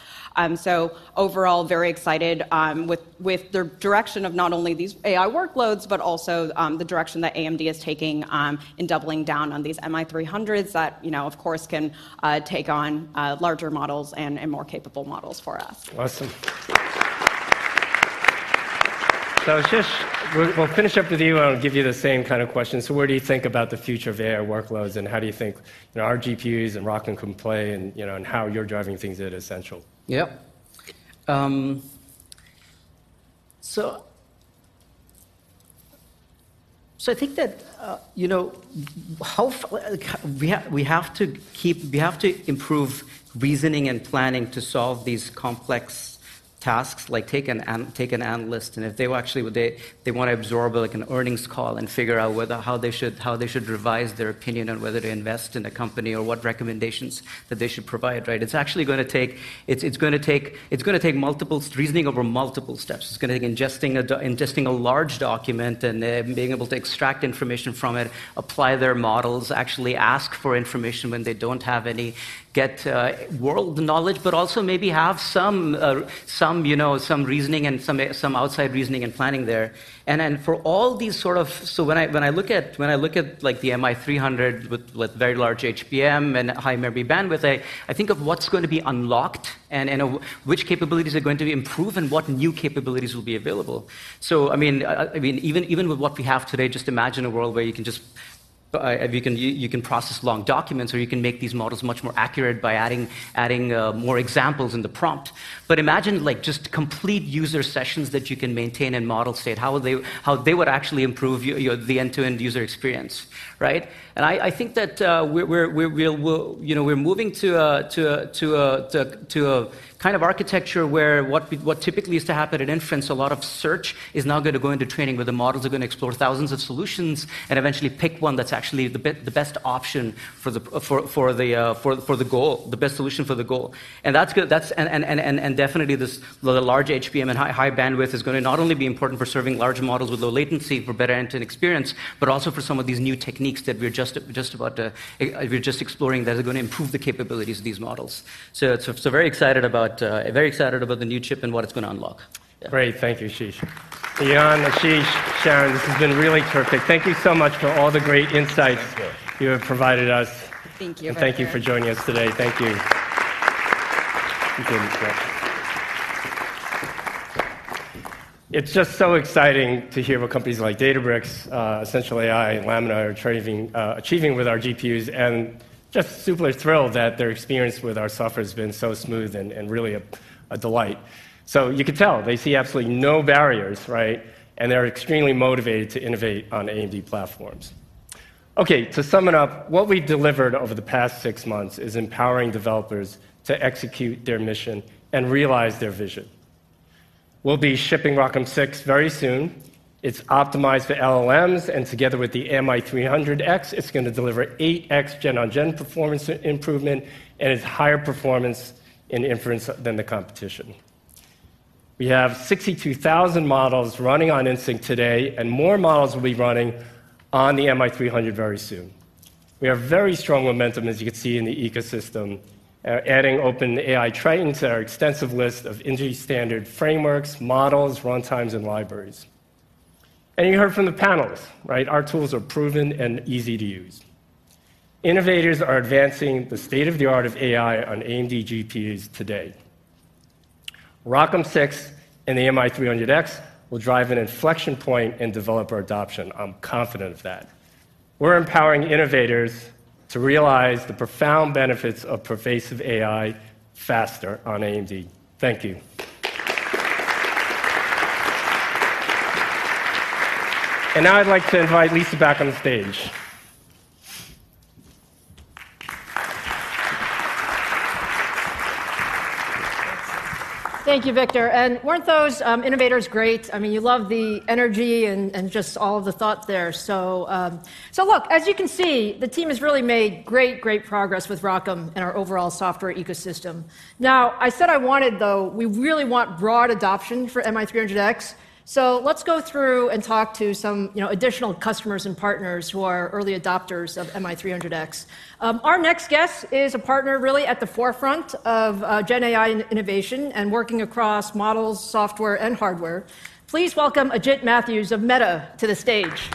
So overall, very excited with the direction of not only these AI workloads, but also the direction that AMD is taking in doubling down on these MI300s that, you know, of course, can take on larger models and more capable models for us. Awesome. So, Ashish, we'll, we'll finish up with you, and I'll give you the same kind of question. So where do you think about the future of AI workloads, and how do you think, you know, our GPUs and ROCm can play, and, you know, and how you're driving things at Essential? Yep. So, so I think that, you know, we have to improve reasoning and planning to solve these complex tasks. Like, take an analyst, and if they actually want to absorb, like, an earnings call and figure out whether how they should revise their opinion on whether to invest in a company or what recommendations that they should provide, right? It's actually gonna take. It's gonna take multiple reasoning over multiple steps. It's gonna take ingesting a large document and, being able to extract information from it, apply their models, actually ask for information when they don't have any, get, world knowledge, but also maybe have some, some, you know, some reasoning and some outside reasoning and planning there. And then for all these sort of... So when I look at, like, the MI300 with very large HBM and high memory bandwidth, I think of what's going to be unlocked and, which capabilities are going to be improved and what new capabilities will be available. So, I mean, I mean, even, even with what we have today, just imagine a world where you can just, you can process long documents, or you can make these models much more accurate by adding more examples in the prompt. But imagine, like, just complete user sessions that you can maintain in model state, how they would actually improve your, the end-to-end user experience, right? And I think that, we're, we'll... You know, we're moving to a kind of architecture where what typically used to happen at inference, a lot of search, is now gonna go into training, where the models are going to explore thousands of solutions and eventually pick one that's actually the best option for the goal, the best solution for the goal. And that's... And definitely this, the large HBM and high bandwidth is gonna not only be important for serving large models with low latency for better end-to-end experience, but also for some of these new techniques that we're just about, we're just exploring that are gonna improve the capabilities of these models. So very excited about the new chip and what it's gonna unlock. Yeah. Great. Thank you, Ashish. Ion, Ashish, Sharon, this has been really terrific. Thank you so much for all the great insights- Thank you... you have provided us. Thank you. Thank you for joining us today. Thank you. Thank you, Victor. It's just so exciting to hear about companies like Databricks, Essential AI, and Lamini are training, achieving with our GPUs, and just super thrilled that their experience with our software has been so smooth and, and really a, a delight. So you could tell, they see absolutely no barriers, right? And they're extremely motivated to innovate on AMD platforms. Okay, to sum it up, what we've delivered over the past six months is empowering developers to execute their mission and realize their vision. We'll be shipping ROCm 6 very soon. It's optimized for LLMs, and together with the MI300X, it's gonna deliver 8X gen on gen performance improvement and is higher performance in inference than the competition. We have 62,000 models running on Instinct today, and more models will be running on the MI300 very soon. We have very strong momentum, as you can see, in the ecosystem, adding OpenAI training to our extensive list of industry-standard frameworks, models, runtimes, and libraries. And you heard from the panels, right? Our tools are proven and easy to use. Innovators are advancing the state of the art of AI on AMD GPUs today. ROCm 6 and the MI300X will drive an inflection point in developer adoption, I'm confident of that. We're empowering innovators to realize the profound benefits of pervasive AI faster on AMD. Thank you. And now I'd like to invite Lisa back on the stage. Thank you, Victor. And weren't those, innovators great? I mean, you love the energy and just all of the thought there. So look, as you can see, the team has really made great, great progress with ROCm and our overall software ecosystem. Now, I said I wanted, though, we really want broad adoption for MI300X, so let's go through and talk to some, you know, additional customers and partners who are early adopters of MI300X. Our next guest is a partner really at the forefront of Gen AI innovation and working across models, software, and hardware. Please welcome Ajit Mathews of Meta to the stage.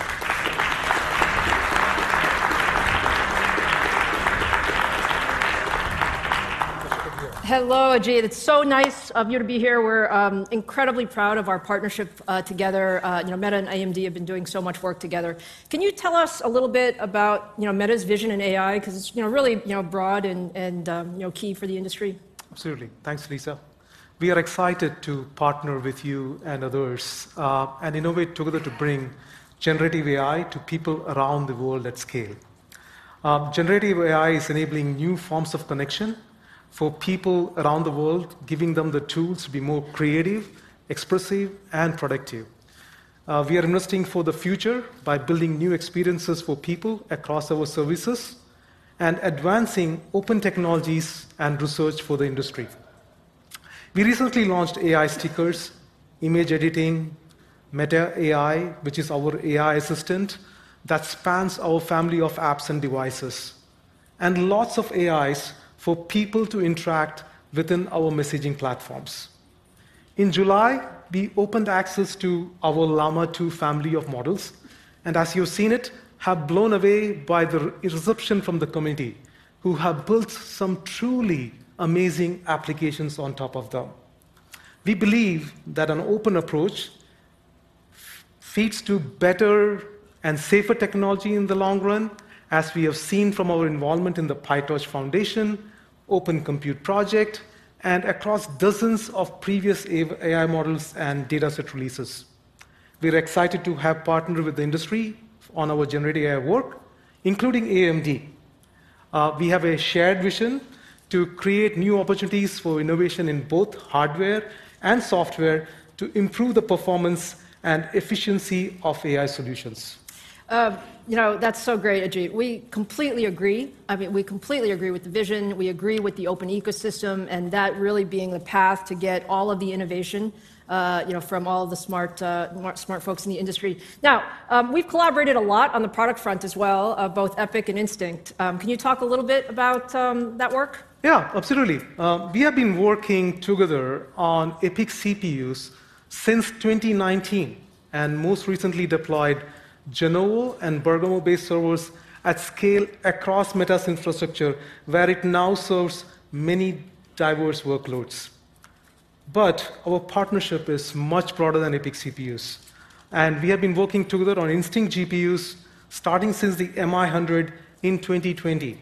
Good to be here. Hello, Ajit. It's so nice of you to be here. We're incredibly proud of our partnership together. You know, Meta and AMD have been doing so much work together. Can you tell us a little bit about, you know, Meta's vision in AI? Because it's, you know, really, you know, broad and key for the industry. Absolutely. Thanks, Lisa. We are excited to partner with you and others, and innovate together to bring generative AI to people around the world at scale. Generative AI is enabling new forms of connection for people around the world, giving them the tools to be more creative, expressive, and productive. We are investing for the future by building new experiences for people across our services and advancing open technologies and research for the industry. We recently launched AI stickers, image editing, Meta AI, which is our AI assistant that spans our family of apps and devices, and lots of AIs for people to interact within our messaging platforms. In July, we opened access to our Llama 2 family of models, and as you have seen it, have blown away by the reception from the community, who have built some truly amazing applications on top of them. We believe that an open approach feeds to better and safer technology in the long run, as we have seen from our involvement in the PyTorch Foundation, Open Compute Project, and across dozens of previous AI models and dataset releases. We're excited to have partnered with the industry on our generative AI work, including AMD. We have a shared vision to create new opportunities for innovation in both hardware and software to improve the performance and efficiency of AI solutions. You know, that's so great, Ajit. We completely agree. I mean, we completely agree with the vision. We agree with the open ecosystem, and that really being the path to get all of the innovation, you know, from all the smart folks in the industry. Now, we've collaborated a lot on the product front as well, both EPYC and Instinct. Can you talk a little bit about that work? Yeah, absolutely. We have been working together on EPYC CPUs since 2019, and most recently deployed Genoa and Bergamo-based servers at scale across Meta's infrastructure, where it now serves many diverse workloads. But our partnership is much broader than EPYC CPUs, and we have been working together on Instinct GPUs, starting since the MI100 in 2020.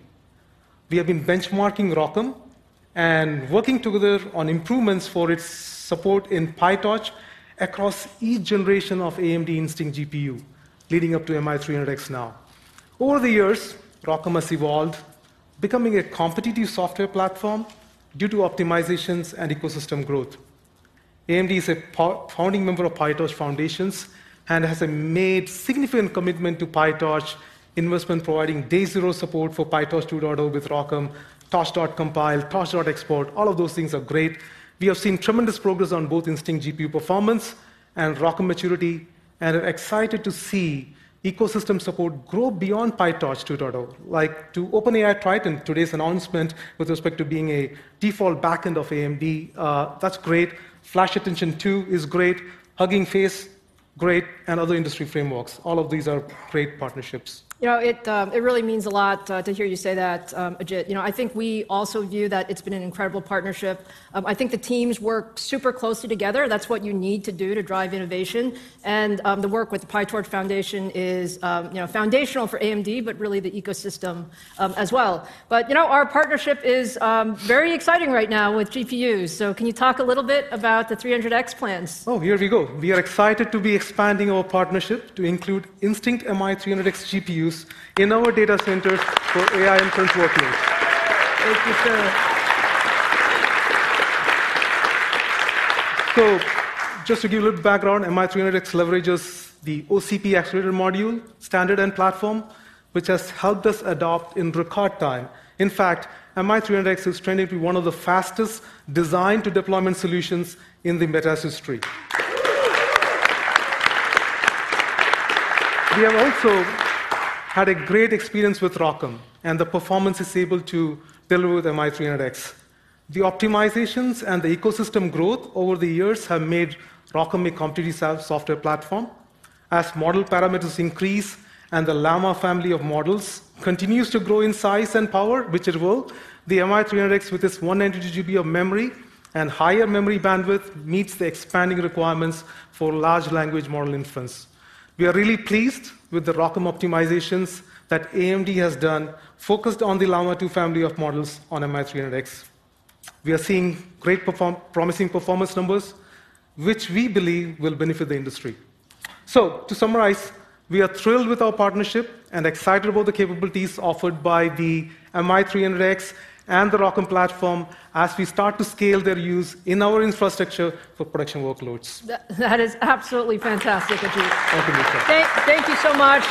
We have been benchmarking ROCm and working together on improvements for its support in PyTorch across each generation of AMD Instinct GPU, leading up to MI300X now. Over the years, ROCm has evolved, becoming a competitive software platform due to optimizations and ecosystem growth. AMD is a founding member of PyTorch Foundation and has made significant commitment to PyTorch investment, providing day zero support for PyTorch 2.0 with ROCm, torch.compile, torch.export, all of those things are great. We have seen tremendous progress on both Instinct GPU performance and ROCm maturity, and are excited to see ecosystem support grow beyond PyTorch 2.0, like to OpenAI Triton, today's announcement with respect to being a default backend of AMD, that's great. FlashAttention-2 is great, Hugging Face, great, and other industry frameworks. All of these are great partnerships. You know, it, it really means a lot to hear you say that, Ajit. You know, I think we also view that it's been an incredible partnership. I think the teams work super closely together. That's what you need to do to drive innovation, and, the work with the PyTorch Foundation is, you know, foundational for AMD, but really the ecosystem, as well. But, you know, our partnership is very exciting right now with GPUs. So can you talk a little bit about the 300X plans? Oh, here we go. We are excited to be expanding our partnership to include Instinct MI300X GPUs in our data centers for AI inference workloads. Thank you, Lisa. So just to give you a little background, MI300X leverages the OCP accelerator module standard and platform, which has helped us adopt in record time. In fact, MI300X is trending to be one of the fastest design-to-deployment solutions in the Meta history. We have also had a great experience with ROCm, and the performance it's able to deliver with MI300X. The optimizations and the ecosystem growth over the years have made ROCm a competitive software platform. As model parameters increase and the Llama family of models continues to grow in size and power, which it will, the MI300X, with its 192 GB of memory and higher memory bandwidth, meets the expanding requirements for large language model inference. We are really pleased with the ROCm optimizations that AMD has done, focused on the Llama 2 family of models on MI300X. We are seeing great, promising performance numbers, which we believe will benefit the industry. So to summarize, we are thrilled with our partnership and excited about the capabilities offered by the MI300X and the ROCm platform as we start to scale their use in our infrastructure for production workloads. That is absolutely fantastic, Ajit. Thank you, Lisa. Thank you so much.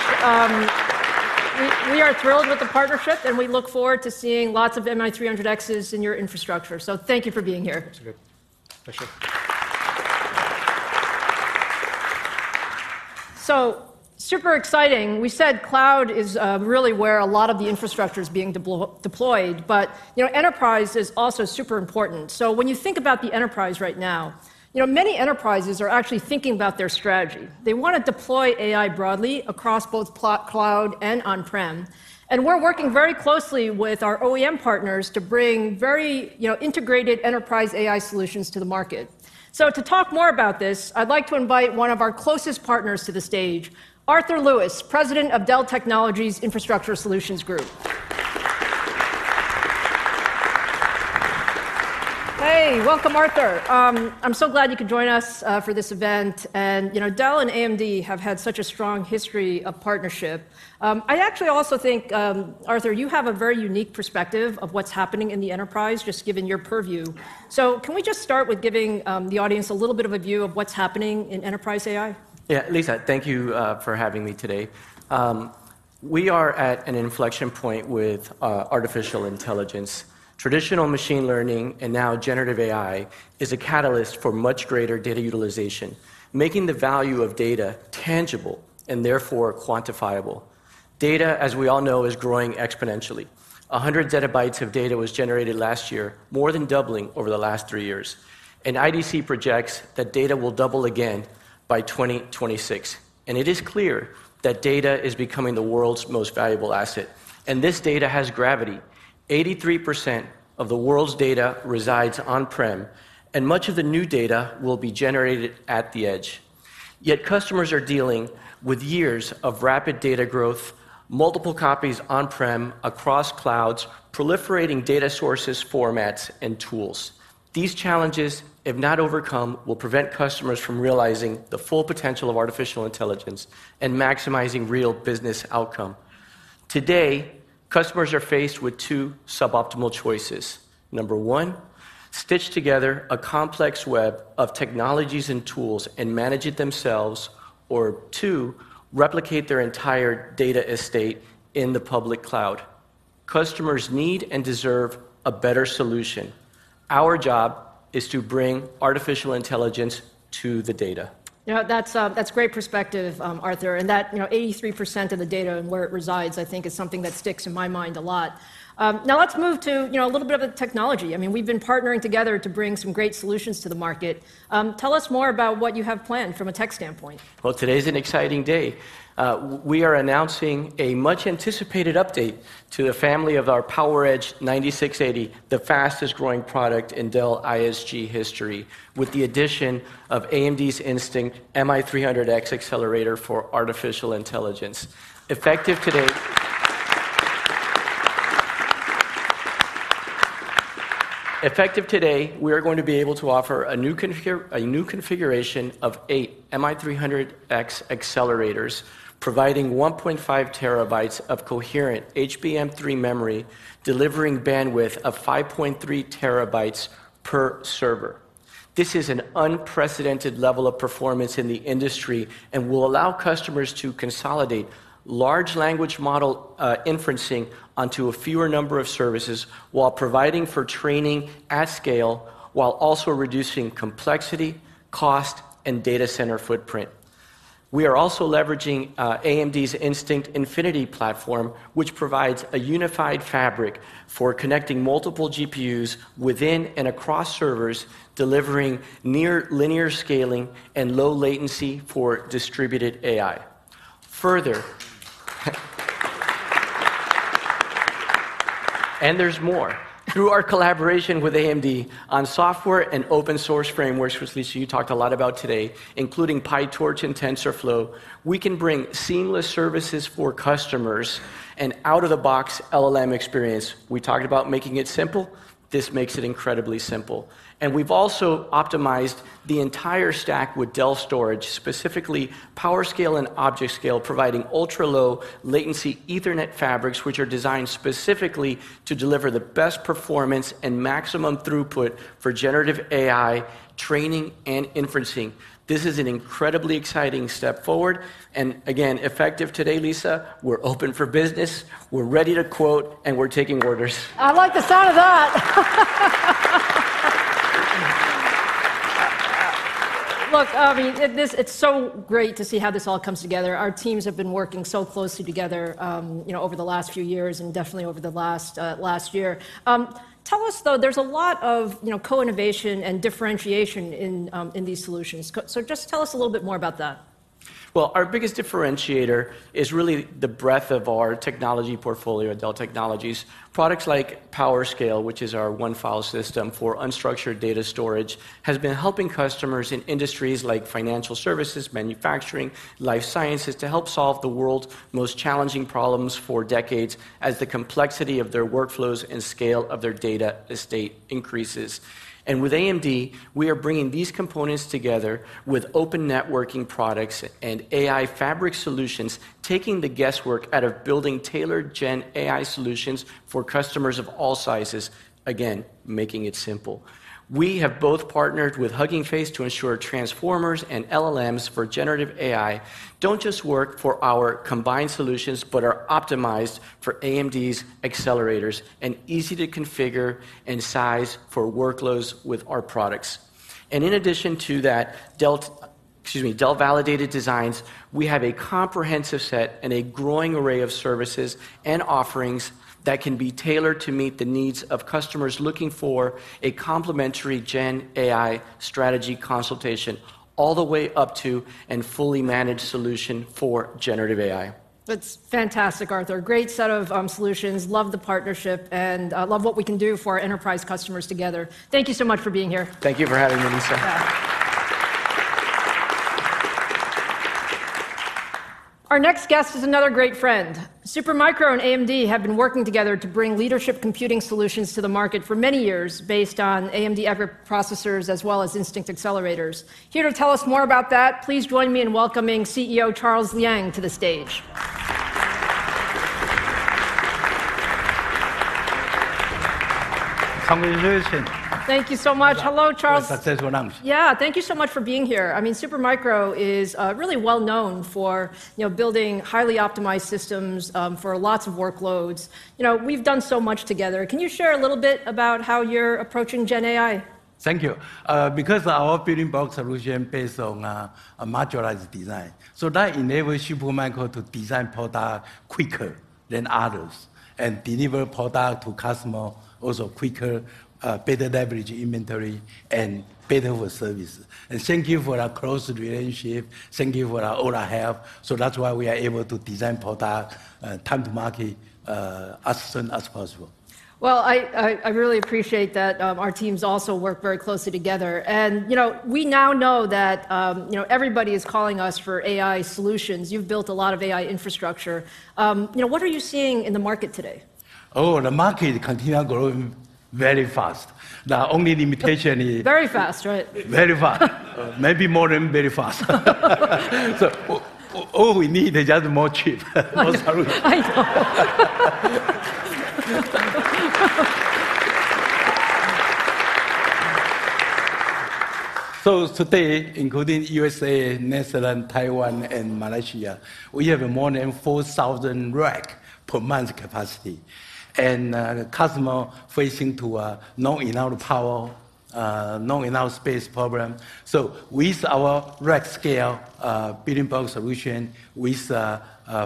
We are thrilled with the partnership, and we look forward to seeing lots of MI300Xs in your infrastructure. So thank you for being here. It's good. Appreciate it. So super exciting. We said cloud is really where a lot of the infrastructure is being deployed, but, you know, enterprise is also super important. So when you think about the enterprise right now, you know, many enterprises are actually thinking about their strategy. They want to deploy AI broadly across both cloud and on-prem, and we're working very closely with our OEM partners to bring very, you know, integrated enterprise AI solutions to the market. So to talk more about this, I'd like to invite one of our closest partners to the stage, Arthur Lewis, President of Dell Technologies Infrastructure Solutions Group. Hey, welcome, Arthur. I'm so glad you could join us for this event. And, you know, Dell and AMD have had such a strong history of partnership. I actually also think, Arthur, you have a very unique perspective of what's happening in the enterprise, just given your purview. Can we just start with giving the audience a little bit of a view of what's happening in enterprise AI? Yeah, Lisa, thank you for having me today. We are at an inflection point with artificial intelligence. Traditional machine learning, and now generative AI, is a catalyst for much greater data utilization, making the value of data tangible and therefore quantifiable. Data, as we all know, is growing exponentially. 100 ZB of data was generated last year, more than doubling over the last three years, and IDC projects that data will double again by 2026. And it is clear that data is becoming the world's most valuable asset, and this data has gravity. 83% of the world's data resides on-prem, and much of the new data will be generated at the edge. Yet customers are dealing with years of rapid data growth, multiple copies on-prem across clouds, proliferating data sources, formats, and tools. These challenges, if not overcome, will prevent customers from realizing the full potential of artificial intelligence and maximizing real business outcome. Today, customers are faced with two suboptimal choices: number one, stitch together a complex web of technologies and tools and manage it themselves, or two, replicate their entire data estate in the public cloud. Customers need and deserve a better solution. Our job is to bring artificial intelligence to the data. You know, that's great perspective, Arthur, and that, you know, 83% of the data and where it resides, I think, is something that sticks in my mind a lot. Now let's move to, you know, a little bit of the technology. I mean, we've been partnering together to bring some great solutions to the market. Tell us more about what you have planned from a tech standpoint. Well, today's an exciting day. We are announcing a much anticipated update to the family of our PowerEdge 9680, the fastest growing product in Dell ISG history, with the addition of AMD's Instinct MI300X accelerator for artificial intelligence. Effective today, we are going to be able to offer a new configuration of 8 MI300X accelerators, providing 1.5 TB of coherent HBM3 memory, delivering bandwidth of 5.3 TB per server. This is an unprecedented level of performance in the industry and will allow customers to consolidate large language model inferencing onto a fewer number of services, while providing for training at scale, while also reducing complexity, cost, and data center footprint. We are also leveraging AMD's Instinct Infinity platform, which provides a unified fabric for connecting multiple GPUs within and across servers, delivering near linear scaling and low latency for distributed AI. And there's more. Through our collaboration with AMD on software and open source frameworks, which, Lisa, you talked a lot about today, including PyTorch and TensorFlow, we can bring seamless services for customers and out-of-the-box LLM experience. We talked about making it simple. This makes it incredibly simple. And we've also optimized the entire stack with Dell Storage, specifically PowerScale and ObjectScale, providing ultra-low latency Ethernet fabrics, which are designed specifically to deliver the best performance and maximum throughput for generative AI training and inference. This is an incredibly exciting step forward, and again, effective today, Lisa, we're open for business, we're ready to quote, and we're taking orders. I like the sound of that! Look, this, it's so great to see how this all comes together. Our teams have been working so closely together, you know, over the last few years and definitely over the last, last year. Tell us, though, there's a lot of, you know, co-innovation and differentiation in, in these solutions. So just tell us a little bit more about that. Well, our biggest differentiator is really the breadth of our technology portfolio at Dell Technologies. Products like PowerScale, which is our OneFile system for unstructured data storage, has been helping customers in industries like financial services, manufacturing, life sciences, to help solve the world's most challenging problems for decades as the complexity of their workflows and scale of their data estate increases. And with AMD, we are bringing these components together with open networking products and AI fabric solutions, taking the guesswork out of building tailored Gen AI solutions for customers of all sizes, again, making it simple. We have both partnered with Hugging Face to ensure transformers and LLMs for generative AI don't just work for our combined solutions, but are optimized for AMD's accelerators and easy to configure and size for workloads with our products. And in addition to that, Delt... Excuse me, Dell Validated Designs. We have a comprehensive set and a growing array of services and offerings that can be tailored to meet the needs of customers looking for a complimentary Gen AI strategy consultation, all the way up to and fully managed solution for generative AI. That's fantastic, Arthur. Great set of solutions. Love the partnership, and love what we can do for our enterprise customers together. Thank you so much for being here. Thank you for having me, Lisa. Our next guest is another great friend. Supermicro and AMD have been working together to bring leadership computing solutions to the market for many years, based on AMD EPYC processors, as well as Instinct accelerators. Here to tell us more about that, please join me in welcoming CEO Charles Liang to the stage.... congratulations. Thank you so much. Hello, Charles. Well, successful announcement. Yeah, thank you so much for being here. I mean, Supermicro is really well known for, you know, building highly optimized systems for lots of workloads. You know, we've done so much together. Can you share a little bit about how you're approaching Gen AI? Thank you. Because our building block solution based on a modularized design, so that enable Supermicro to design product quicker than others, and deliver product to customer also quicker, better leverage inventory, and better with service. And thank you for our close relationship. Thank you for all our help, so that's why we are able to design product time to market as soon as possible. Well, I really appreciate that. Our teams also work very closely together, and, you know, we now know that, you know, everybody is calling us for AI solutions. You've built a lot of AI infrastructure. You know, what are you seeing in the market today? Oh, the market continue growing very fast. The only limitation is- Very fast, right? Very fast. Maybe more than very fast. So all we need is just more chip, more solution. I know. So today, including USA, Netherlands, Taiwan, and Malaysia, we have more than 4,000 rack per month capacity. And the customer facing to not enough power not enough space problem. So with our rack scale building block solution, with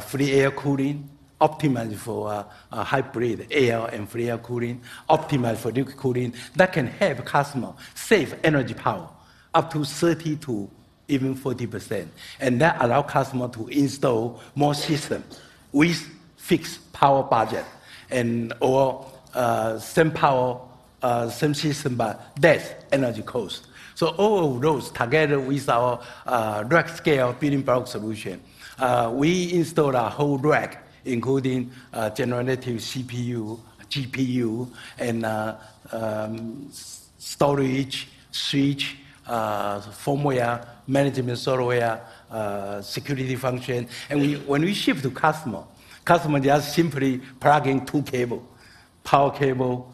free air cooling, optimized for hybrid air and free air cooling, optimized for liquid cooling, that can help customer save energy power up to 30%-40%. And that allow customer to install more system with fixed power budget, and or same power same system, but less energy cost. So all of those, together with our rack scale building block solution, we install a whole rack, including generative CPU, GPU, and storage, switch, firmware, management software, security function. When we ship to customer, customer just simply plug in two cable, power cable,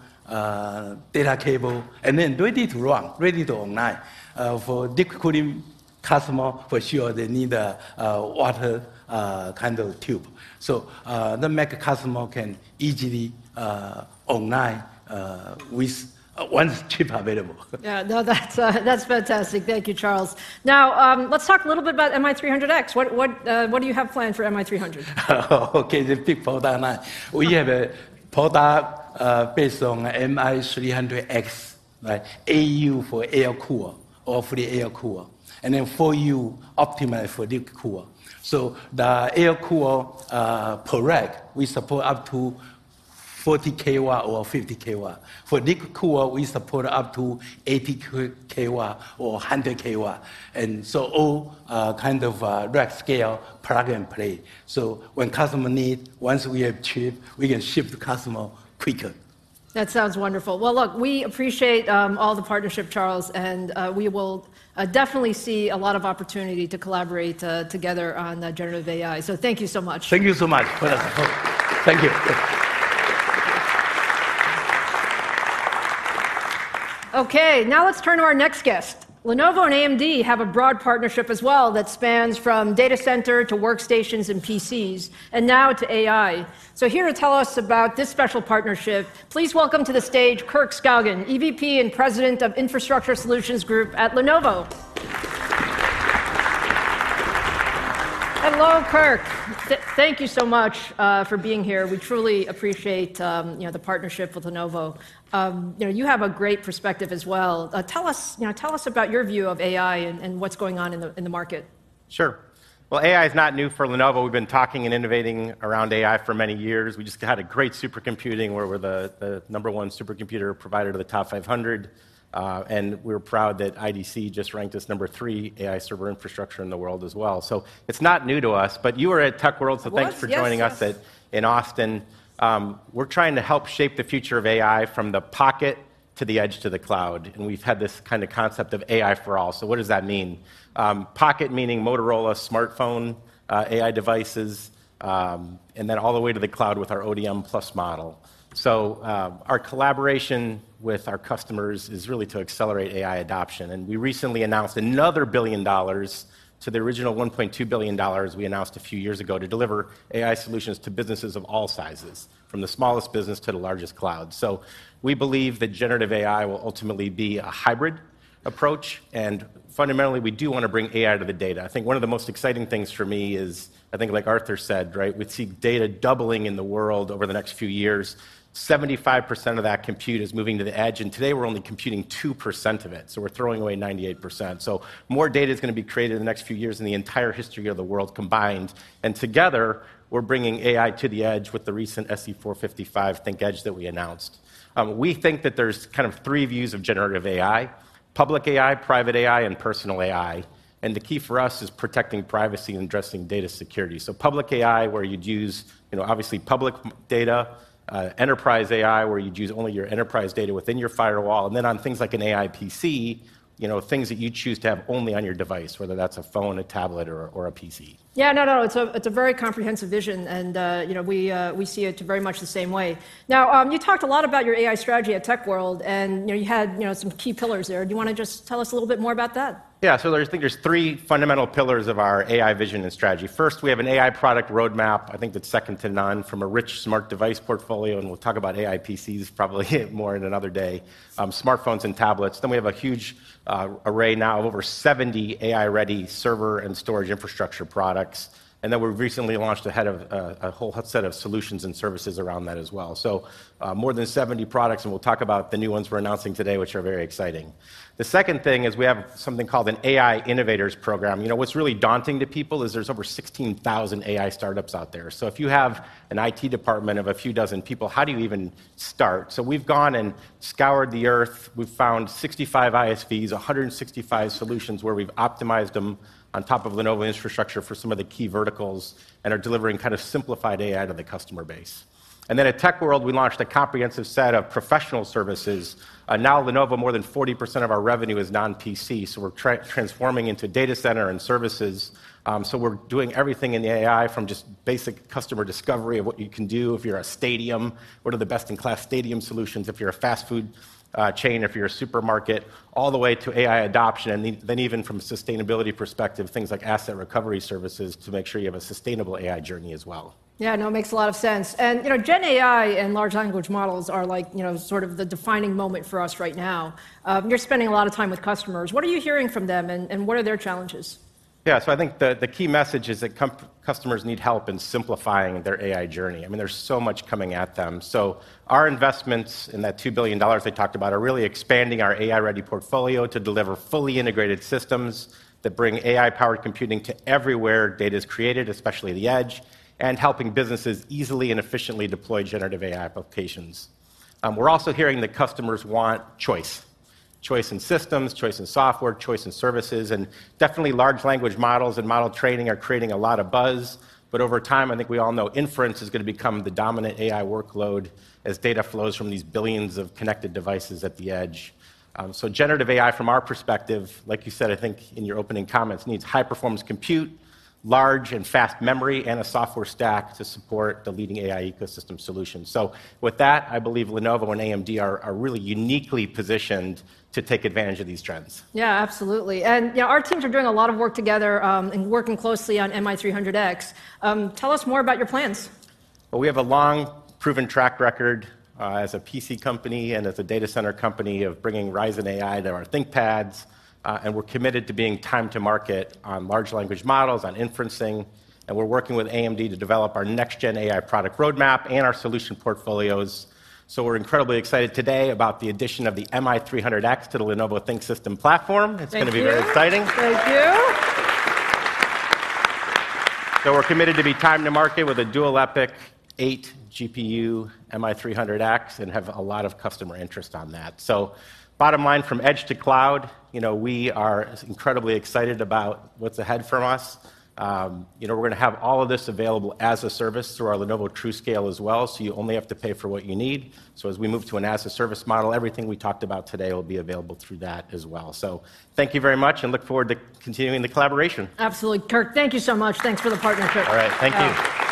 data cable, and then ready to run, ready to online. For liquid cooling customer, for sure they need a water kind of tube. So that make customer can easily online with one chip available. Yeah, no, that's fantastic. Thank you, Charles. Now, let's talk a little bit about MI300X. What do you have planned for MI300? Okay, the big product line. We have a product based on MI300X, like 8U for air cooler or for the air cooler, and then 4U optimized for liquid cooler. So the air cooler per rack, we support up to 40 kW or 50 kW. For liquid cooler, we support up to 80 kW or 100 kW, and so all kind of rack scale plug and play. So when customer need, once we have chip, we can ship to customer quicker. That sounds wonderful. Well, look, we appreciate all the partnership, Charles, and we will definitely see a lot of opportunity to collaborate together on generative AI. So thank you so much. Thank you so much. Thank you. Okay, now let's turn to our next guest. Lenovo and AMD have a broad partnership as well that spans from data center to workstations and PCs, and now to AI. So here to tell us about this special partnership, please welcome to the stage Kirk Skaugen, EVP and President of Infrastructure Solutions Group at Lenovo. Hello, Kirk. Thank you so much for being here. We truly appreciate, you know, the partnership with Lenovo. You know, you have a great perspective as well. Tell us, you know, tell us about your view of AI and what's going on in the market. Sure. Well, AI is not new for Lenovo. We've been talking and innovating around AI for many years. We just had a great supercomputing, where we're the number one supercomputer provider to the TOP500. We're proud that IDC just ranked us number three AI server infrastructure in the world as well. So it's not new to us, but you are at Tech World- I was. Yes, yes.... so thank you for joining us today... in Austin. We're trying to help shape the future of AI from the pocket, to the edge, to the cloud, and we've had this kind of concept of AI for all. So what does that mean? Pocket meaning Motorola smartphone, AI devices, and then all the way to the cloud with our ODM+ model. So, our collaboration with our customers is really to accelerate AI adoption, and we recently announced another $1 billion to the original $1.2 billion we announced a few years ago, to deliver AI solutions to businesses of all sizes, from the smallest business to the largest cloud. So we believe that generative AI will ultimately be a hybrid approach, and fundamentally, we do want to bring AI to the data. I think one of the most exciting things for me is, I think like Arthur said, right, we'd see data doubling in the world over the next few years. 75% of that compute is moving to the edge, and today we're only computing 2% of it, so we're throwing away 98%. So more data is gonna be created in the next few years in the entire history of the world combined, and together, we're bringing AI to the edge with the recent SE455 ThinkEdge that we announced. We think that there's kind of three views of generative AI: public AI, private AI, and personal AI, and the key for us is protecting privacy and addressing data security. So public AI, where you'd use, you know, obviously public data, enterprise AI, where you'd use only your enterprise data within your firewall, and then on things like an AI PC, you know, things that you choose to have only on your device, whether that's a phone, a tablet, or a PC. Yeah, no, no, it's a, it's a very comprehensive vision, and, you know, we, we see it very much the same way. Now, you talked a lot about your AI strategy at Tech World, and, you know, you had, you know, some key pillars there. Do you wanna just tell us a little bit more about that? Yeah, so there's I think there's three fundamental pillars of our AI vision and strategy. First, we have an AI product roadmap, I think that's second to none, from a rich smart device portfolio, and we'll talk about AI PCs probably more in another day, smartphones and tablets. Then we have a huge array now of over 70 AI-ready server and storage infrastructure products, and then we've recently launched ahead of a whole set of solutions and services around that as well. So, more than 70 products, and we'll talk about the new ones we're announcing today, which are very exciting. The second thing is, we have something called an AI Innovators Program. You know, what's really daunting to people is there's over 16,000 AI startups out there. So if you have an IT department of a few dozen people, how do you even start? So we've gone and scoured the earth. We've found 65 ISVs, 165 solutions, where we've optimized them on top of Lenovo infrastructure for some of the key verticals, and are delivering kind of simplified AI to the customer base. And then at Tech World, we launched a comprehensive set of professional services. Now, Lenovo, more than 40% of our revenue is non-PC, so we're transforming into data center and services. So we're doing everything in the AI from just basic customer discovery of what you can do if you're a stadium, what are the best-in-class stadium solutions, if you're a fast-food chain, if you're a supermarket, all the way to AI adoption, and then even from a sustainability perspective, things like asset recovery services to make sure you have a sustainable AI journey as well. Yeah, no, it makes a lot of sense. And, you know, Gen AI and large language models are, like, you know, sort of the defining moment for us right now. You're spending a lot of time with customers. What are you hearing from them, and what are their challenges? Yeah, so I think the key message is that customers need help in simplifying their AI journey. I mean, there's so much coming at them. So our investments in that $2 billion I talked about are really expanding our AI-ready portfolio to deliver fully integrated systems that bring AI-powered computing to everywhere data is created, especially the edge, and helping businesses easily and efficiently deploy generative AI applications. We're also hearing that customers want choice: choice in systems, choice in software, choice in services, and definitely large language models and model training are creating a lot of buzz. But over time, I think we all know inference is gonna become the dominant AI workload as data flows from these billions of connected devices at the edge. So generative AI, from our perspective, like you said, I think, in your opening comments, needs high-performance compute, large and fast memory, and a software stack to support the leading AI ecosystem solution. So with that, I believe Lenovo and AMD are really uniquely positioned to take advantage of these trends. Yeah, absolutely. And, you know, our teams are doing a lot of work together, and working closely on MI300X. Tell us more about your plans. Well, we have a long, proven track record as a PC company and as a data center company of bringing Ryzen AI to our ThinkPads, and we're committed to being time to market on large language models, on inferencing, and we're working with AMD to develop our next-Gen AI product roadmap and our solution portfolios. So we're incredibly excited today about the addition of the MI300X to the Lenovo ThinkSystem platform. Thank you. It's gonna be very exciting. Thank you. So we're committed to be time to market with a dual EPYC 8-GPU MI300X and have a lot of customer interest on that. So bottom line, from edge to cloud, you know, we are incredibly excited about what's ahead for us. You know, we're gonna have all of this available as a service through our Lenovo TruScale as well, so you only have to pay for what you need. So as we move to an as-a-service model, everything we talked about today will be available through that as well. So thank you very much, and look forward to continuing the collaboration. Absolutely. Kirk, thank you so much. Thanks for the partnership. All right, thank you.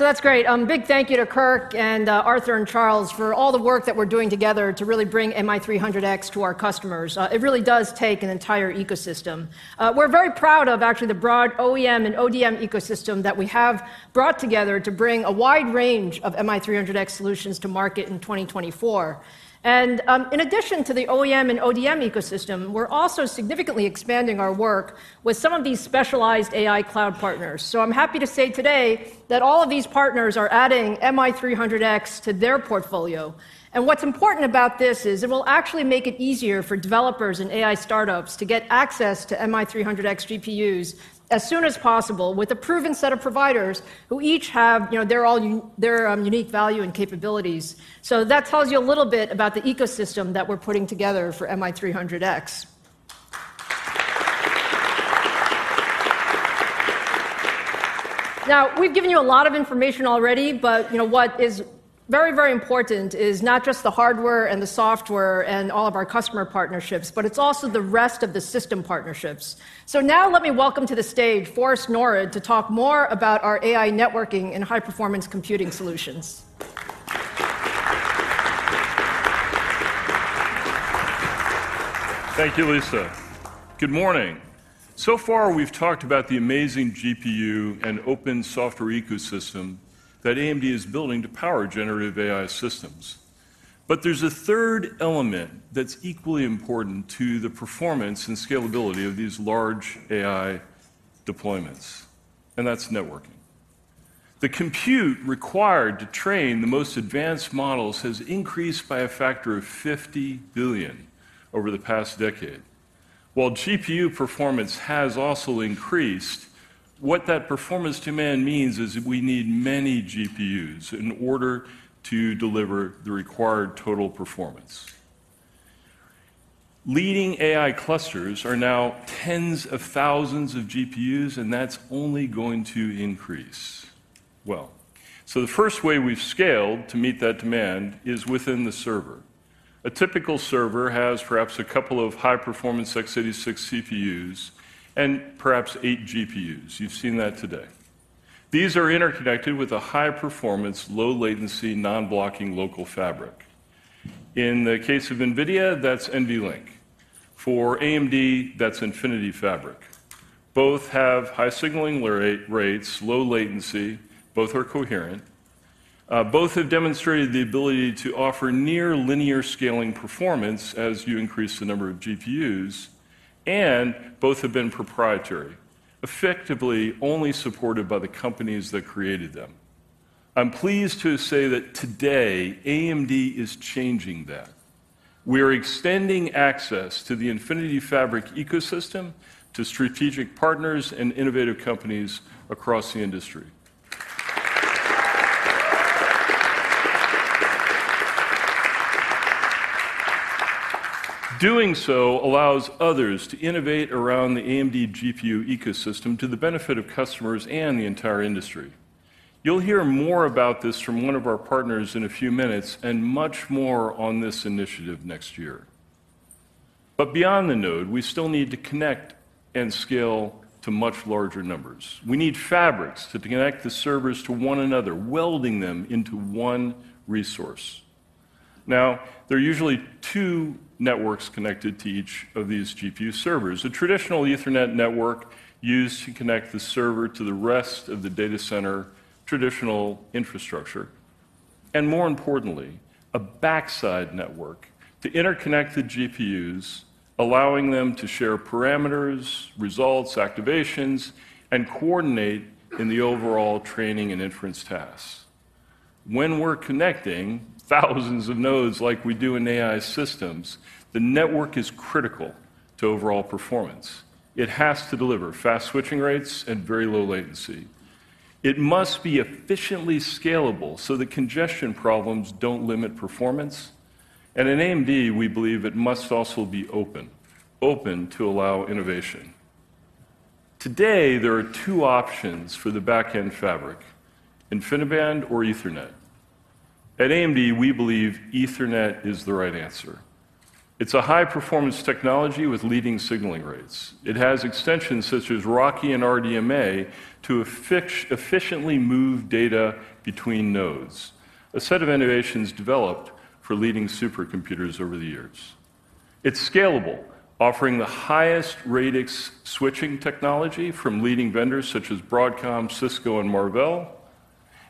So that's great. Big thank you to Kirk, and Arthur, and Charles for all the work that we're doing together to really bring MI300X to our customers. It really does take an entire ecosystem. We're very proud of actually the broad OEM and ODM ecosystem that we have brought together to bring a wide range of MI300X solutions to market in 2024. And, in addition to the OEM and ODM ecosystem, we're also significantly expanding our work with some of these specialized AI cloud partners. So I'm happy to say today that all of these partners are adding MI300X to their portfolio, and what's important about this is it will actually make it easier for developers and AI startups to get access to MI300X GPUs as soon as possible with a proven set of providers who each have, you know, their own unique value and capabilities. So that tells you a little bit about the ecosystem that we're putting together for MI300X.... Now, we've given you a lot of information already, but, you know, what is very, very important is not just the hardware and the software and all of our customer partnerships, but it's also the rest of the system partnerships. So now let me welcome to the stage Forrest Norrod to talk more about our AI networking and high-performance computing solutions. Thank you, Lisa. Good morning. So far, we've talked about the amazing GPU and open software ecosystem that AMD is building to power generative AI systems. But there's a third element that's equally important to the performance and scalability of these large AI deployments, and that's networking. The compute required to train the most advanced models has increased by a factor of 50 billion over the past decade. While GPU performance has also increased, what that performance demand means is that we need many GPUs in order to deliver the required total performance. Leading AI clusters are now tens of thousands of GPUs, and that's only going to increase. Well, so the first way we've scaled to meet that demand is within the server. A typical server has perhaps a couple of high-performance x86 CPUs and perhaps 8-GPUs. You've seen that today. These are interconnected with a high-performance, low-latency, non-blocking local fabric. In the case of NVIDIA, that's NVLink. For AMD, that's Infinity Fabric. Both have high signaling rates, low latency, both are coherent. Both have demonstrated the ability to offer near-linear scaling performance as you increase the number of GPUs, and both have been proprietary, effectively only supported by the companies that created them. I'm pleased to say that today AMD is changing that. We are extending access to the Infinity Fabric ecosystem to strategic partners and innovative companies across the industry. Doing so allows others to innovate around the AMD GPU ecosystem to the benefit of customers and the entire industry. You'll hear more about this from one of our partners in a few minutes, and much more on this initiative next year. But beyond the node, we still need to connect and scale to much larger numbers. We need fabrics to connect the servers to one another, welding them into one resource. Now, there are usually two networks connected to each of these GPU servers: a traditional Ethernet network used to connect the server to the rest of the data center traditional infrastructure, and more importantly, a back-end network to interconnect the GPUs, allowing them to share parameters, results, activations, and coordinate in the overall training and inference tasks. When we're connecting thousands of nodes like we do in AI systems, the network is critical to overall performance. It has to deliver fast switching rates and very low latency. It must be efficiently scalable so that congestion problems don't limit performance. At AMD, we believe it must also be open, open to allow innovation. Today, there are two options for the back-end fabric, InfiniBand or Ethernet. At AMD, we believe Ethernet is the right answer. It's a high-performance technology with leading signaling rates. It has extensions such as RoCE and RDMA to efficiently move data between nodes, a set of innovations developed for leading supercomputers over the years. It's scalable, offering the highest radix switching technology from leading vendors such as Broadcom, Cisco, and Marvell,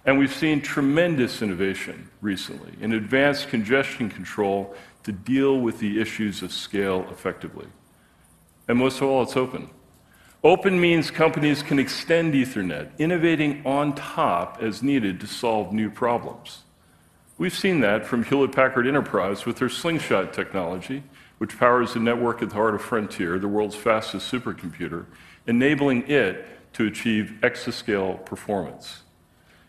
and we've seen tremendous innovation recently in advanced congestion control to deal with the issues of scale effectively. And most of all, it's open. Open means companies can extend Ethernet, innovating on top as needed to solve new problems. We've seen that from Hewlett Packard Enterprise with their Slingshot technology, which powers the network at the heart of Frontier, the world's fastest supercomputer, enabling it to achieve exascale performance.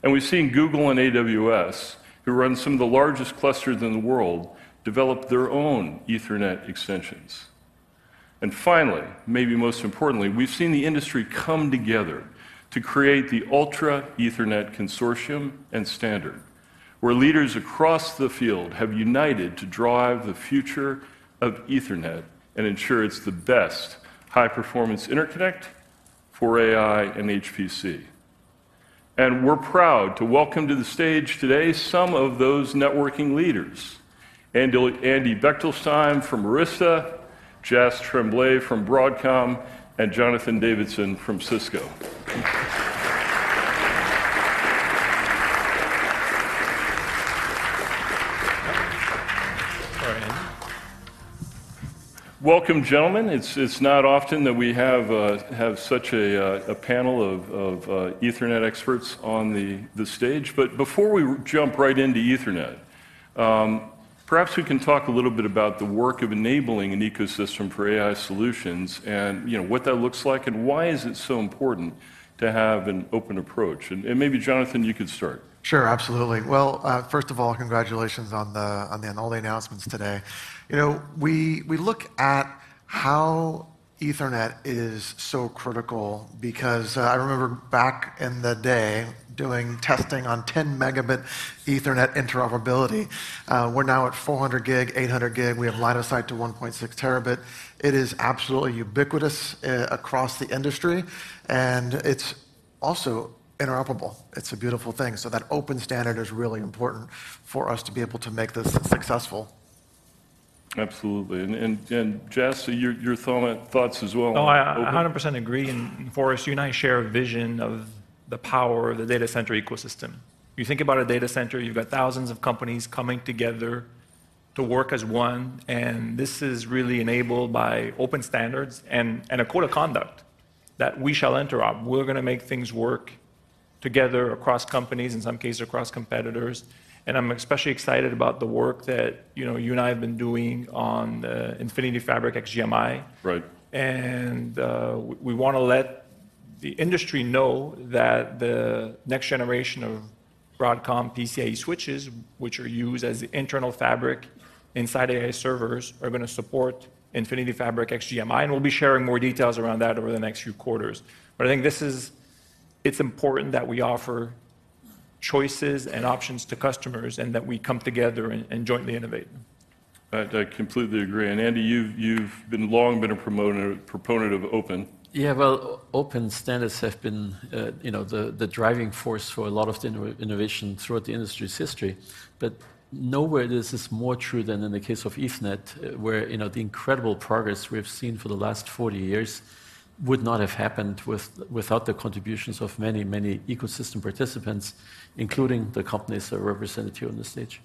And we've seen Google and AWS, who run some of the largest clusters in the world, develop their own Ethernet extensions. Finally, maybe most importantly, we've seen the industry come together to create the Ultra Ethernet Consortium and standard, where leaders across the field have united to drive the future of Ethernet and ensure it's the best high-performance interconnect for AI and HPC. We're proud to welcome to the stage today some of those networking leaders, Andy, Andy Bechtolsheim from Arista, Jas Tremblay from Broadcom, and Jonathan Davidson from Cisco. All right, Andy. Welcome, gentlemen. It's not often that we have such a panel of Ethernet experts on the stage, but before we jump right into Ethernet. Perhaps we can talk a little bit about the work of enabling an ecosystem for AI solutions, and, you know, what that looks like, and why is it so important to have an open approach? And maybe Jonathan, you could start. Sure, absolutely. Well, first of all, congratulations on all the announcements today. You know, we look at how Ethernet is so critical because I remember back in the day doing testing on 10 Mbps Ethernet interoperability. We're now at 400 Gbps, 800 Gbps, we have line of sight to 1.6 Tbps. It is absolutely ubiquitous across the industry, and it's also interoperable. It's a beautiful thing. So that open standard is really important for us to be able to make this successful. Absolutely, and Jas, so your thoughts as well on open- Oh, I 100% agree. And Forrest, you and I share a vision of the power of the data center ecosystem. You think about a data center, you've got thousands of companies coming together to work as one, and this is really enabled by open standards and a code of conduct that we shall interop. We're gonna make things work together across companies, in some cases across competitors, and I'm especially excited about the work that, you know, you and I have been doing on the Infinity Fabric XGMI. Right. We want to let the industry know that the next generation of Broadcom PCIe switches, which are used as the internal fabric inside AI servers, are going to support Infinity Fabric XGMI, and we'll be sharing more details around that over the next few quarters. But I think this is... It's important that we offer choices and options to customers, and that we come together and jointly innovate. I completely agree. And Andy, you've long been a proponent of open. Yeah, well, open standards have been, you know, the driving force for a lot of innovation throughout the industry's history. But nowhere is this more true than in the case of Ethernet, where, you know, the incredible progress we have seen for the last 40 years would not have happened without the contributions of many, many ecosystem participants, including the companies that are represented here on the stage.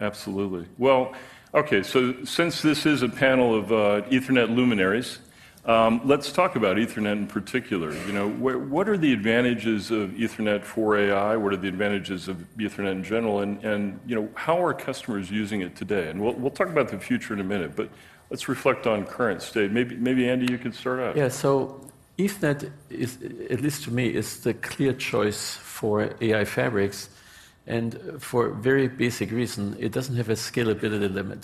Absolutely. Well, okay, so since this is a panel of Ethernet luminaries, let's talk about Ethernet in particular. You know, what are the advantages of Ethernet for AI? What are the advantages of Ethernet in general? And, you know, how are customers using it today? And we'll talk about the future in a minute, but let's reflect on current state. Maybe Andy, you can start out. Yeah, so Ethernet is, at least to me, is the clear choice for AI fabrics, and for a very basic reason: it doesn't have a scalability limit.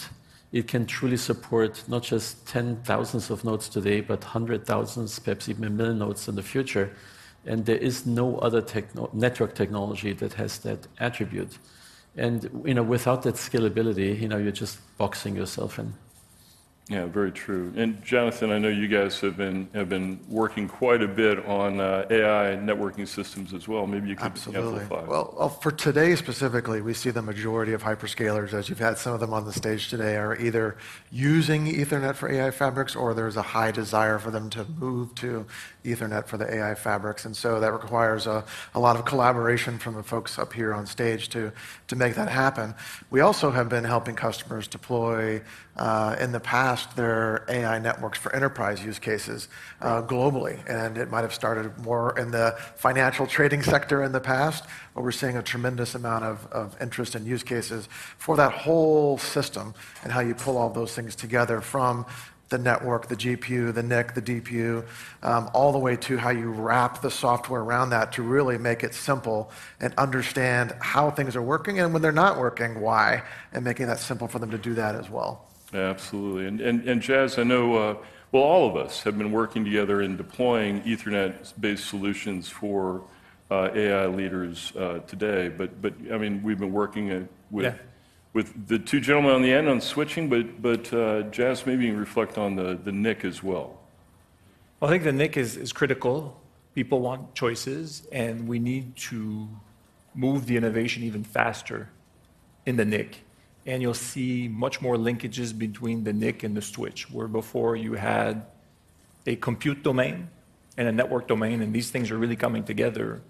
It can truly support not just 10,000s of nodes today, but 100,000s, perhaps even 1 million nodes in the future, and there is no other techno... network technology that has that attribute. And, you know, without that scalability, you know, you're just boxing yourself in. Yeah, very true. And Jonathan, I know you guys have been working quite a bit on AI networking systems as well. Maybe you could- Absolutely... amplify. Well, for today specifically, we see the majority of hyperscalers, as you've had some of them on the stage today, are either using Ethernet for AI fabrics or there's a high desire for them to move to Ethernet for the AI fabrics. So that requires a lot of collaboration from the folks up here on stage to make that happen. We also have been helping customers deploy in the past their AI networks for enterprise use cases globally, and it might have started more in the financial trading sector in the past, but we're seeing a tremendous amount of interest and use cases for that whole system and how you pull all those things together, from the network, the GPU, the NIC, the DPU, all the way to how you wrap the software around that to really make it simple and understand how things are working, and when they're not working, why, and making that simple for them to do that as well. Absolutely. Jas, I know, well, all of us have been working together in deploying Ethernet-based solutions for AI leaders today. I mean, we've been working with- Yeah... with the two gentlemen on the end on switching. But, but, Jas, maybe reflect on the, the NIC as well. Well, I think the NIC is critical. People want choices, and we need to move the innovation even faster in the NIC. And you'll see much more linkages between the NIC and the switch, where before you had a compute domain and a network domain, and these things are really coming together.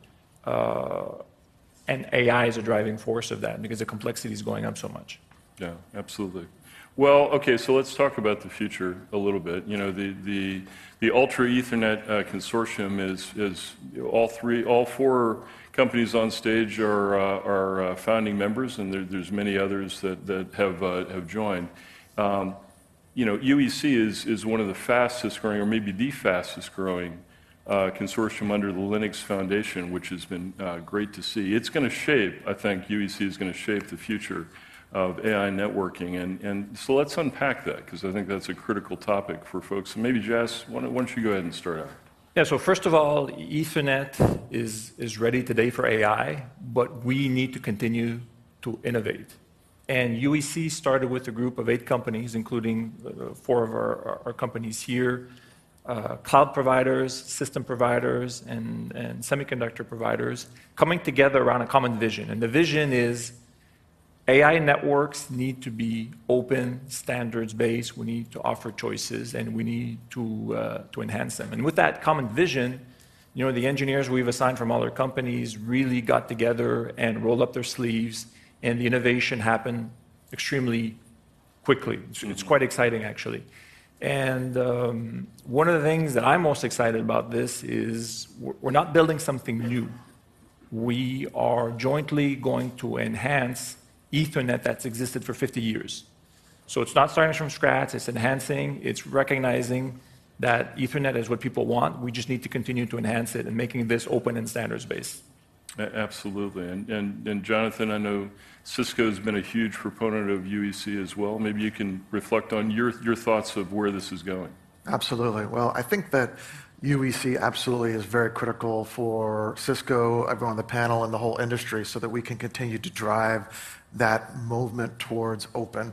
And AI is a driving force of that because the complexity is going up so much. Yeah, absolutely. Well, okay, so let's talk about the future a little bit. You know, the Ultra Ethernet Consortium is all four companies on stage are founding members, and there's many others that have joined. You know, UEC is one of the fastest-growing or maybe the fastest-growing consortium under the Linux Foundation, which has been great to see. It's gonna shape... I think UEC is gonna shape the future of AI networking. And so let's unpack that, 'cause I think that's a critical topic for folks. So maybe, Jas, why don't you go ahead and start out? Yeah, so first of all, Ethernet is ready today for AI, but we need to continue to innovate. UEC started with a group of eight companies, including four of our companies here, cloud providers, system providers, and semiconductor providers, coming together around a common vision. The vision is: AI networks need to be open, standards-based, we need to offer choices, and we need to enhance them. With that common vision, you know, the engineers we've assigned from all our companies really got together and rolled up their sleeves, and the innovation happened extremely quickly. Mm. So it's quite exciting, actually. One of the things that I'm most excited about this is we're not building something new.... we are jointly going to enhance Ethernet that's existed for 50 years. So it's not starting from scratch, it's enhancing, it's recognizing that Ethernet is what people want. We just need to continue to enhance it and making this open and standards-based. Absolutely. And Jonathan, I know Cisco's been a huge proponent of UEC as well. Maybe you can reflect on your thoughts of where this is going. Absolutely. Well, I think that UEC absolutely is very critical for Cisco, everyone on the panel, and the whole industry, so that we can continue to drive that movement towards open.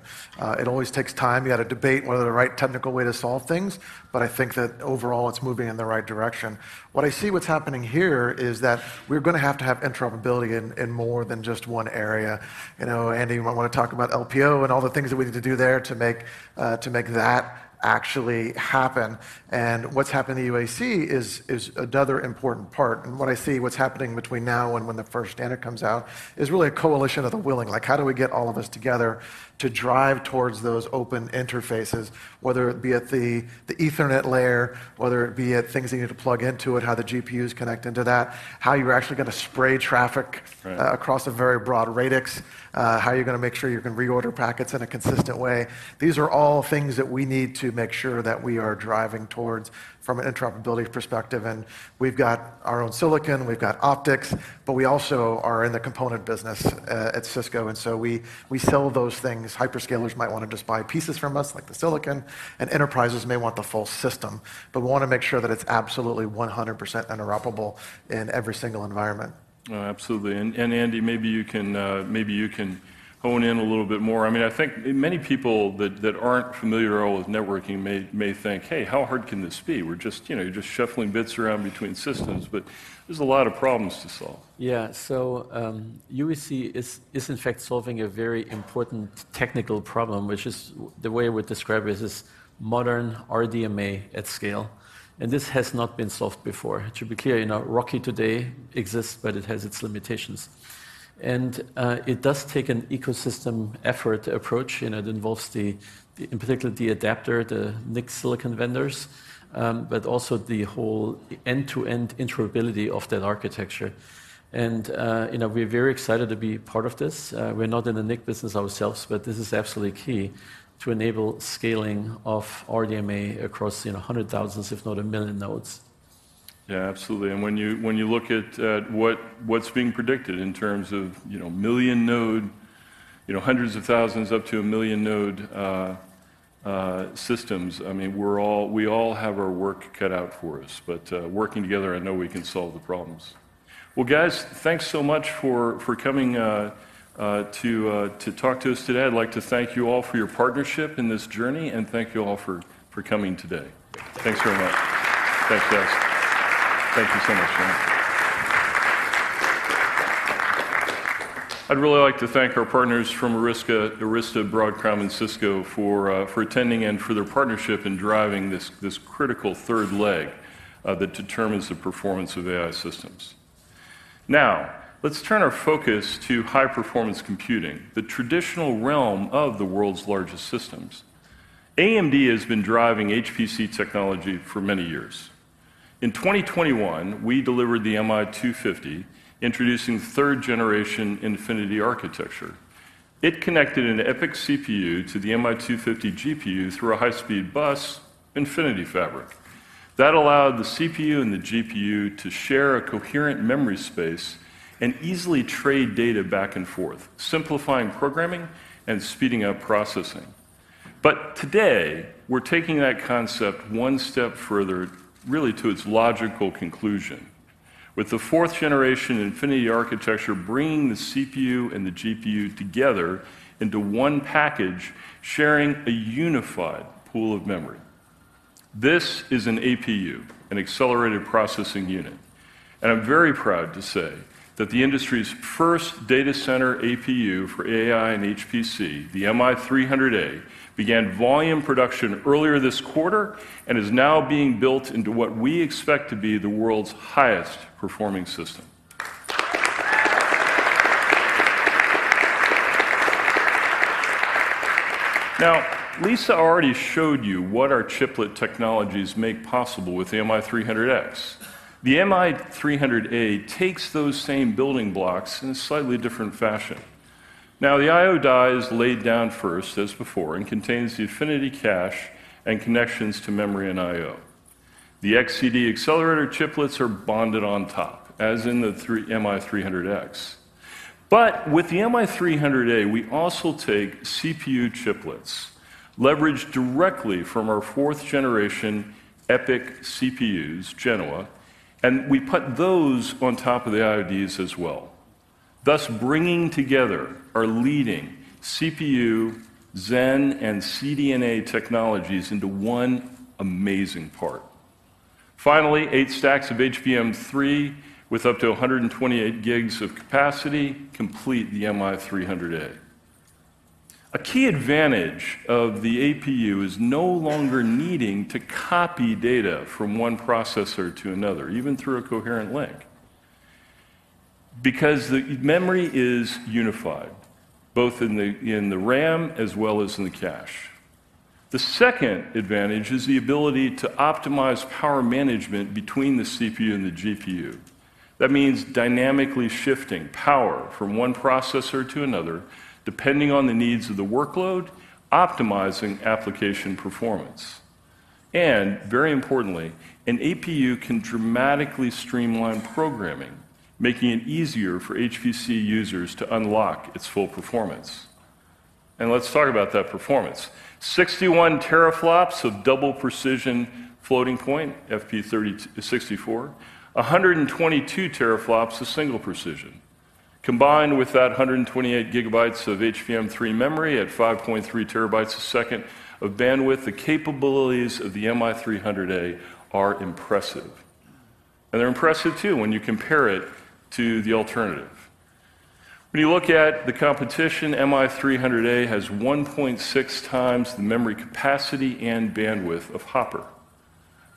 It always takes time. You got to debate what are the right technical way to solve things, but I think that overall it's moving in the right direction. What I see what's happening here is that we're gonna have to have interoperability in more than just one area. You know, Andy, you might want to talk about LPO and all the things that we need to do there to make that actually happen. And what's happened to UEC is another important part, and what I see what's happening between now and when the first standard comes out is really a coalition of the willing. Like, how do we get all of us together to drive towards those open interfaces, whether it be at the Ethernet layer, whether it be at things you need to plug into it, how the GPUs connect into that, how you're actually gonna spray traffic- Right... across a very broad radix, how you're gonna make sure you can reorder packets in a consistent way. These are all things that we need to make sure that we are driving towards from an interoperability perspective, and we've got our own silicon, we've got optics, but we also are in the component business, at Cisco, and so we, we sell those things. Hyperscalers might want to just buy pieces from us, like the silicon, and enterprises may want the full system. But we want to make sure that it's absolutely 100% interoperable in every single environment. Absolutely. And Andy, maybe you can hone in a little bit more. I mean, I think many people that aren't familiar at all with networking may think, "Hey, how hard can this be? We're just, you know, you're just shuffling bits around between systems." But there's a lot of problems to solve. Yeah. So, UEC is in fact solving a very important technical problem, which is, the way I would describe it is modern RDMA at scale, and this has not been solved before. To be clear, you know, RoCE today exists, but it has its limitations. It does take an ecosystem effort approach, and it involves the in particular the adapter, the NIC silicon vendors, but also the whole end-to-end interoperability of that architecture. You know, we're very excited to be part of this. We're not in the NIC business ourselves, but this is absolutely key to enable scaling of RDMA across, you know, 100,000s, if not 1 million nodes. Yeah, absolutely. And when you look at what’s being predicted in terms of, you know, million node, you know, hundreds of thousands up to a million node systems, I mean, we all have our work cut out for us. But working together, I know we can solve the problems. Well, guys, thanks so much for coming to talk to us today. I’d like to thank you all for your partnership in this journey, and thank you all for coming today. Thanks very much. Thanks, Jas. Thank you so much, John. I’d really like to thank our partners from Arista, Broadcom, and Cisco for attending and for their partnership in driving this critical third leg that determines the performance of AI systems. Now, let's turn our focus to high-performance computing, the traditional realm of the world's largest systems. AMD has been driving HPC technology for many years. In 2021, we delivered the MI250, introducing third-generation Infinity Architecture. It connected an EPYC CPU to the MI250 GPU through a high-speed bus, Infinity Fabric. That allowed the CPU and the GPU to share a coherent memory space and easily trade data back and forth, simplifying programming and speeding up processing. But today, we're taking that concept one step further, really to its logical conclusion, with the fourth-generation Infinity Architecture bringing the CPU and the GPU together into one package, sharing a unified pool of memory. This is an APU, an accelerated processing unit, and I'm very proud to say that the industry's first data center APU for AI and HPC, the MI300A, began volume production earlier this quarter and is now being built into what we expect to be the world's highest performing system. Now, Lisa already showed you what our chiplet technologies make possible with the MI300X. The MI300A takes those same building blocks in a slightly different fashion. Now, the I/O die is laid down first, as before, and contains the Infinity Cache and connections to memory and I/O. The CDNA accelerator chiplets are bonded on top, as in the MI300X. But with the MI300A, we also take CPU chiplets, leveraged directly from our fourth generation EPYC CPUs, Genoa, and we put those on top of the IODs as well, thus bringing together our leading CPU Zen and CDNA technologies into one amazing part. Finally, 8 stacks of HBM3, with up to 128 GB of capacity, complete the MI300A. A key advantage of the APU is no longer needing to copy data from one processor to another, even through a coherent link, because the memory is unified, both in the RAM as well as in the cache. The second advantage is the ability to optimize power management between the CPU and the GPU. That means dynamically shifting power from one processor to another, depending on the needs of the workload, optimizing application performance. Very importantly, an APU can dramatically streamline programming, making it easier for HPC users to unlock its full performance. Let's talk about that performance. 61 teraflops of double precision floating point, FP64, 122 teraflops of single precision. Combined with 128 GB of HBM3 memory at 5.3 TB/s of bandwidth, the capabilities of the MI300A are impressive. They're impressive, too, when you compare it to the alternative. When you look at the competition, MI300A has 1.6x the memory capacity and bandwidth of Hopper.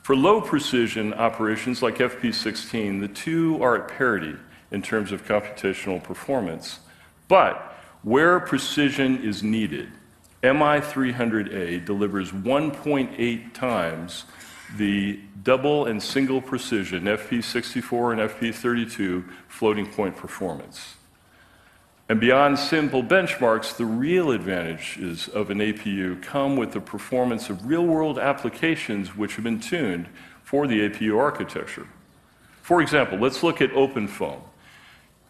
For low precision operations, like FP16, the two are at parity in terms of computational performance. But where precision is needed, MI300A delivers 1.8x the double and single precision FP64 and FP32 floating point performance. Beyond simple benchmarks, the real advantages of an APU come with the performance of real world applications which have been tuned for the APU architecture. For example, let's look at OpenFOAM.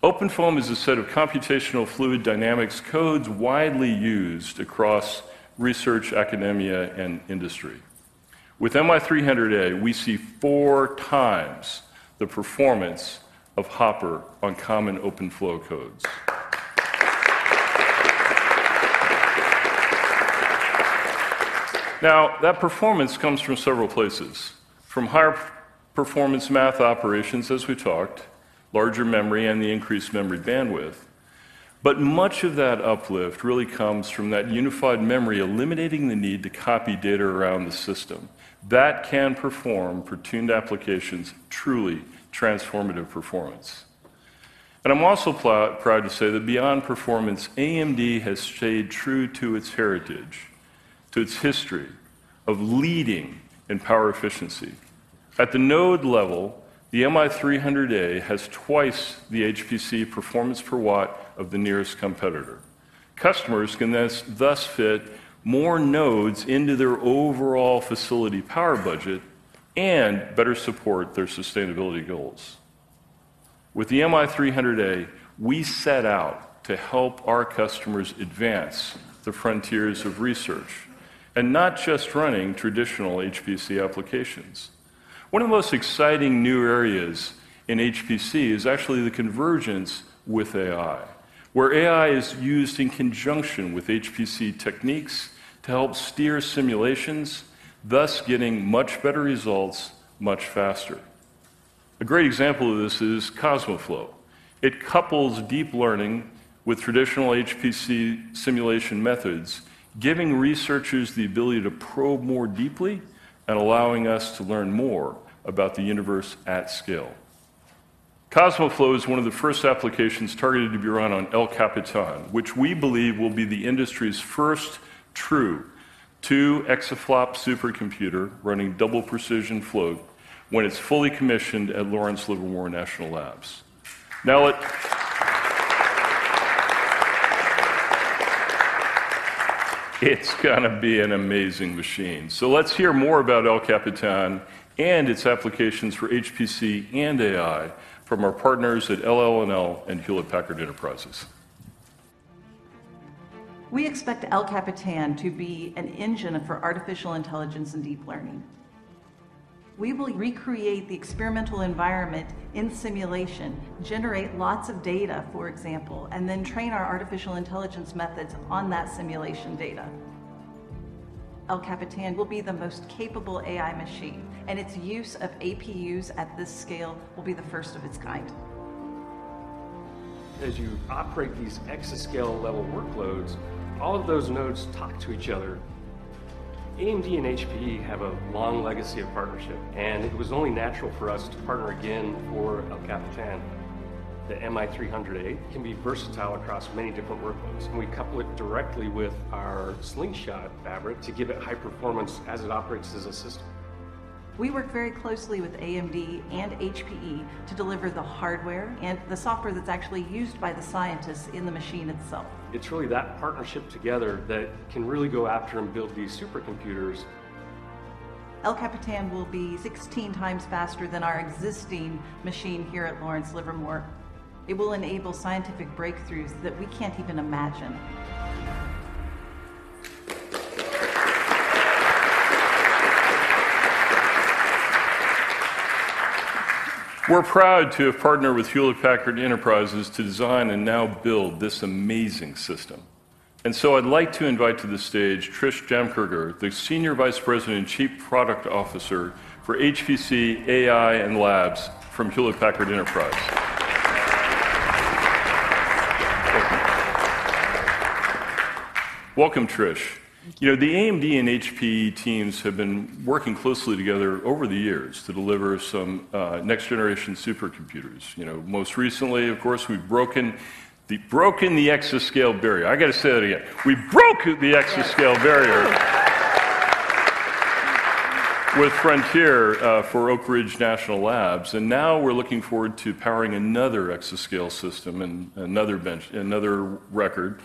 OpenFOAM is a set of computational fluid dynamics codes widely used across research, academia, and industry. With MI300A, we see 4x the performance of Hopper on common OpenFOAM codes. Now, that performance comes from several places, from higher performance math operations, as we talked, larger memory, and the increased memory bandwidth. Much of that uplift really comes from that unified memory eliminating the need to copy data around the system. That can perform for tuned applications, truly transformative performance. I'm also proud to say that beyond performance, AMD has stayed true to its heritage, to its history of leading in power efficiency. At the node level, the MI300A has twice the HPC performance per watt of the nearest competitor. Customers can thus fit more nodes into their overall facility power budget and better support their sustainability goals. With the MI300A, we set out to help our customers advance the frontiers of research, and not just running traditional HPC applications. One of the most exciting new areas in HPC is actually the convergence with AI, where AI is used in conjunction with HPC techniques to help steer simulations, thus getting much better results much faster. A great example of this is CosmoFlow. It couples deep learning with traditional HPC simulation methods, giving researchers the ability to probe more deeply and allowing us to learn more about the universe at scale. CosmoFlow is one of the first applications targeted to be run on El Capitan, which we believe will be the industry's first true 2-exaflop supercomputer running double precision float when it's fully commissioned at Lawrence Livermore National Laboratory. Now, it's gonna be an amazing machine. So let's hear more about El Capitan and its applications for HPC and AI from our partners at LLNL and Hewlett Packard Enterprise. We expect El Capitan to be an engine for artificial intelligence and deep learning. We will recreate the experimental environment in simulation, generate lots of data, for example, and then train our artificial intelligence methods on that simulation data. El Capitan will be the most capable AI machine, and its use of APUs at this scale will be the first of its kind. As you operate these exascale level workloads, all of those nodes talk to each other. AMD and HPE have a long legacy of partnership, and it was only natural for us to partner again for El Capitan. The MI300A can be versatile across many different workloads, and we couple it directly with our Slingshot fabric to give it high performance as it operates as a system. We work very closely with AMD and HPE to deliver the hardware and the software that's actually used by the scientists in the machine itself. It's really that partnership together that can really go after and build these supercomputers. El Capitan will be 16x faster than our existing machine here at Lawrence Livermore. It will enable scientific breakthroughs that we can't even imagine. We're proud to have partnered with Hewlett Packard Enterprise to design and now build this amazing system. So I'd like to invite to the stage Trish Damkroger, the Senior Vice President and Chief Product Officer for HPC, AI, and Labs from Hewlett Packard Enterprise. Thank you. Welcome, Trish. Thank you. You know, the AMD and HPE teams have been working closely together over the years to deliver some next-generation supercomputers. You know, most recently, of course, we've broken the, broken the exascale barrier. I gotta say that again. We broke the exascale barrier! with Frontier for Oak Ridge National Laboratory, and now we're looking forward to powering another exascale system and another bench- another record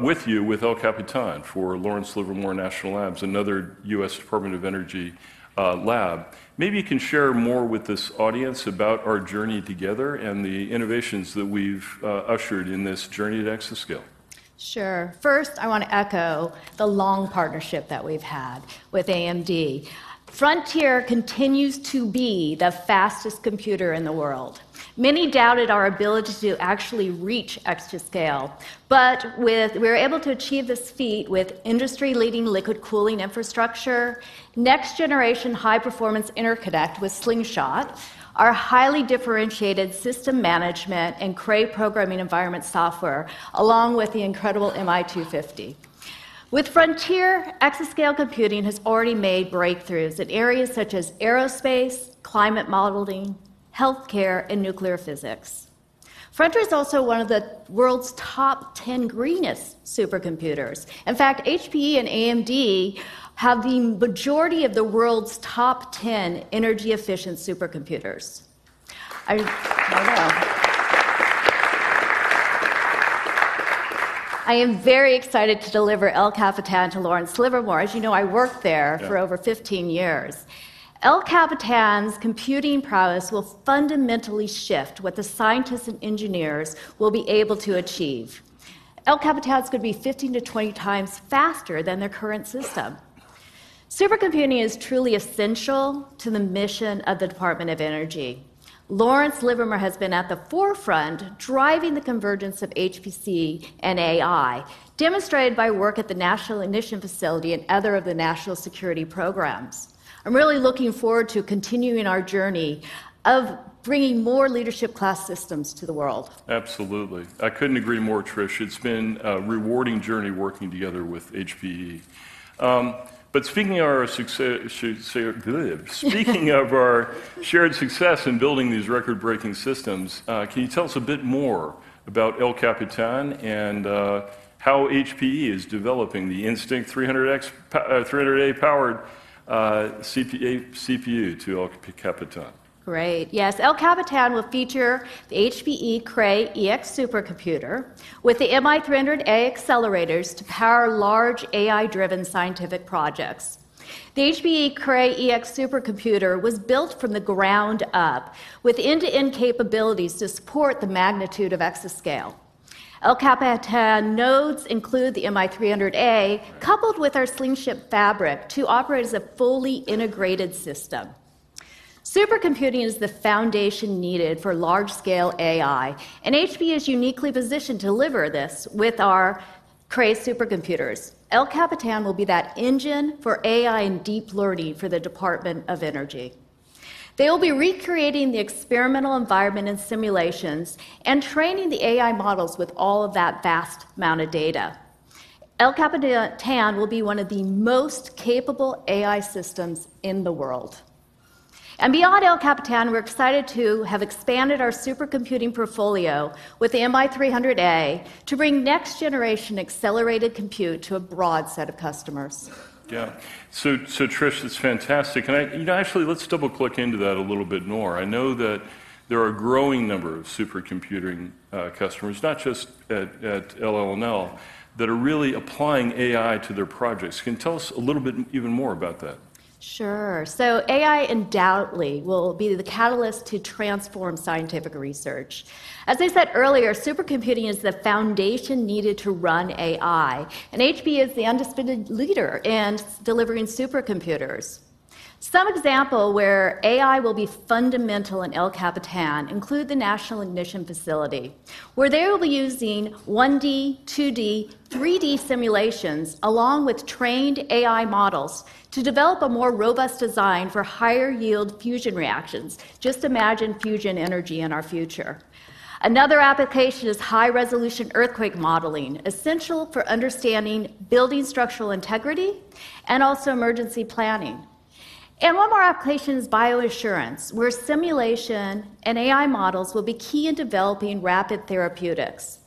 with you, with El Capitan for Lawrence Livermore National Laboratory, another U.S. Department of Energy lab. Maybe you can share more with this audience about our journey together and the innovations that we've ushered in this journey to exascale. Sure. First, I wanna echo the long partnership that we've had with AMD. Frontier continues to be the fastest computer in the world. Many doubted our ability to actually reach exascale, but we were able to achieve this feat with industry-leading liquid cooling infrastructure, next-generation high-performance interconnect with Slingshot, our highly differentiated system management, and Cray programming environment software, along with the incredible MI250. With Frontier, exascale computing has already made breakthroughs in areas such as aerospace, climate modeling, healthcare, and nuclear physics. Frontier is also one of the world's top 10 greenest supercomputers. In fact, HPE and AMD have the majority of the world's top 10 energy efficient supercomputers. I know. I am very excited to deliver El Capitan to Lawrence Livermore. As you know, I worked there. Yeah... for over 15 years. El Capitan's computing prowess will fundamentally shift what the scientists and engineers will be able to achieve. El Capitan's gonna be 15x-20x faster than their current system. Supercomputing is truly essential to the mission of the Department of Energy. Lawrence Livermore has been at the forefront, driving the convergence of HPC and AI, demonstrated by work at the National Ignition Facility and other of the national security programs. I'm really looking forward to continuing our journey of bringing more leadership class systems to the world. Absolutely. I couldn't agree more, Trish. It's been a rewarding journey working together with HPE. But speaking of our shared success in building these record-breaking systems, can you tell us a bit more about El Capitan and how HPE is developing the Instinct 300A-powered APU, CPUs to El Capitan? Great. Yes, El Capitan will feature the HPE Cray EX supercomputer with the MI300A accelerators to power large AI-driven scientific projects. The HPE Cray EX supercomputer was built from the ground up, with end-to-end capabilities to support the magnitude of exascale. El Capitan nodes include the MI300A- Right... coupled with our Slingshot fabric to operate as a fully integrated system. Supercomputing is the foundation needed for large scale AI, and HPE is uniquely positioned to deliver this with our Cray supercomputers. El Capitan will be that engine for AI and deep learning for the Department of Energy. They'll be recreating the experimental environment and simulations, and training the AI models with all of that vast amount of data. El Capitan will be one of the most capable AI systems in the world. And beyond El Capitan, we're excited to have expanded our supercomputing portfolio with the MI300A to bring next generation accelerated compute to a broad set of customers. Yeah. So, Trish, that's fantastic, and I... You know, actually, let's double click into that a little bit more. I know that there are a growing number of supercomputing customers, not just at LLNL, that are really applying AI to their projects. Can you tell us a little bit even more about that? Sure. So AI undoubtedly will be the catalyst to transform scientific research. As I said earlier, supercomputing is the foundation needed to run AI, and HPE is the undisputed leader in delivering supercomputers. Some example where AI will be fundamental in El Capitan include the National Ignition Facility, where they'll be using 1D, 2D, 3D simulations, along with trained AI models, to develop a more robust design for higher yield fusion reactions. Just imagine fusion energy in our future. Another application is high resolution earthquake modeling, essential for understanding building structural integrity and also emergency planning. And one more application is bioassurance, where simulation and AI models will be key in developing rapid therapeutics.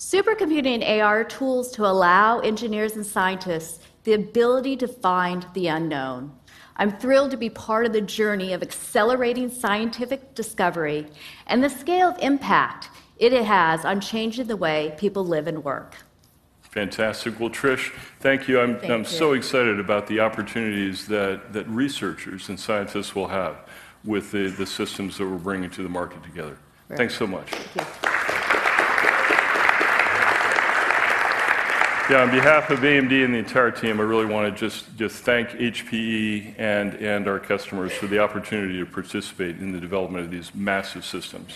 Supercomputing and AI are tools to allow engineers and scientists the ability to find the unknown. I'm thrilled to be part of the journey of accelerating scientific discovery and the scale of impact it has on changing the way people live and work. Fantastic. Well, Trish, thank you. Thank you. I'm so excited about the opportunities that researchers and scientists will have with the systems that we're bringing to the market together. Right. Thanks so much. Thank you. Yeah, on behalf of AMD and the entire team, I really wanna just, just thank HPE and, and our customers for the opportunity to participate in the development of these massive systems.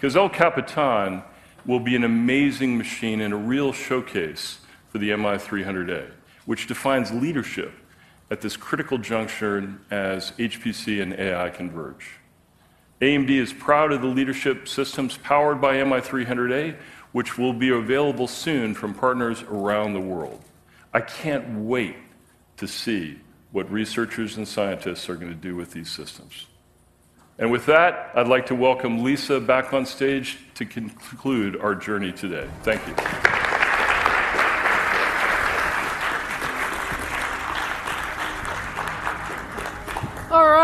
'Cause El Capitan will be an amazing machine and a real showcase for the MI300A, which defines leadership at this critical juncture as HPC and AI converge. AMD is proud of the leadership systems powered by MI300A, which will be available soon from partners around the world. I can't wait to see what researchers and scientists are gonna do with these systems. And with that, I'd like to welcome Lisa back on stage to conclude our journey today. Thank you.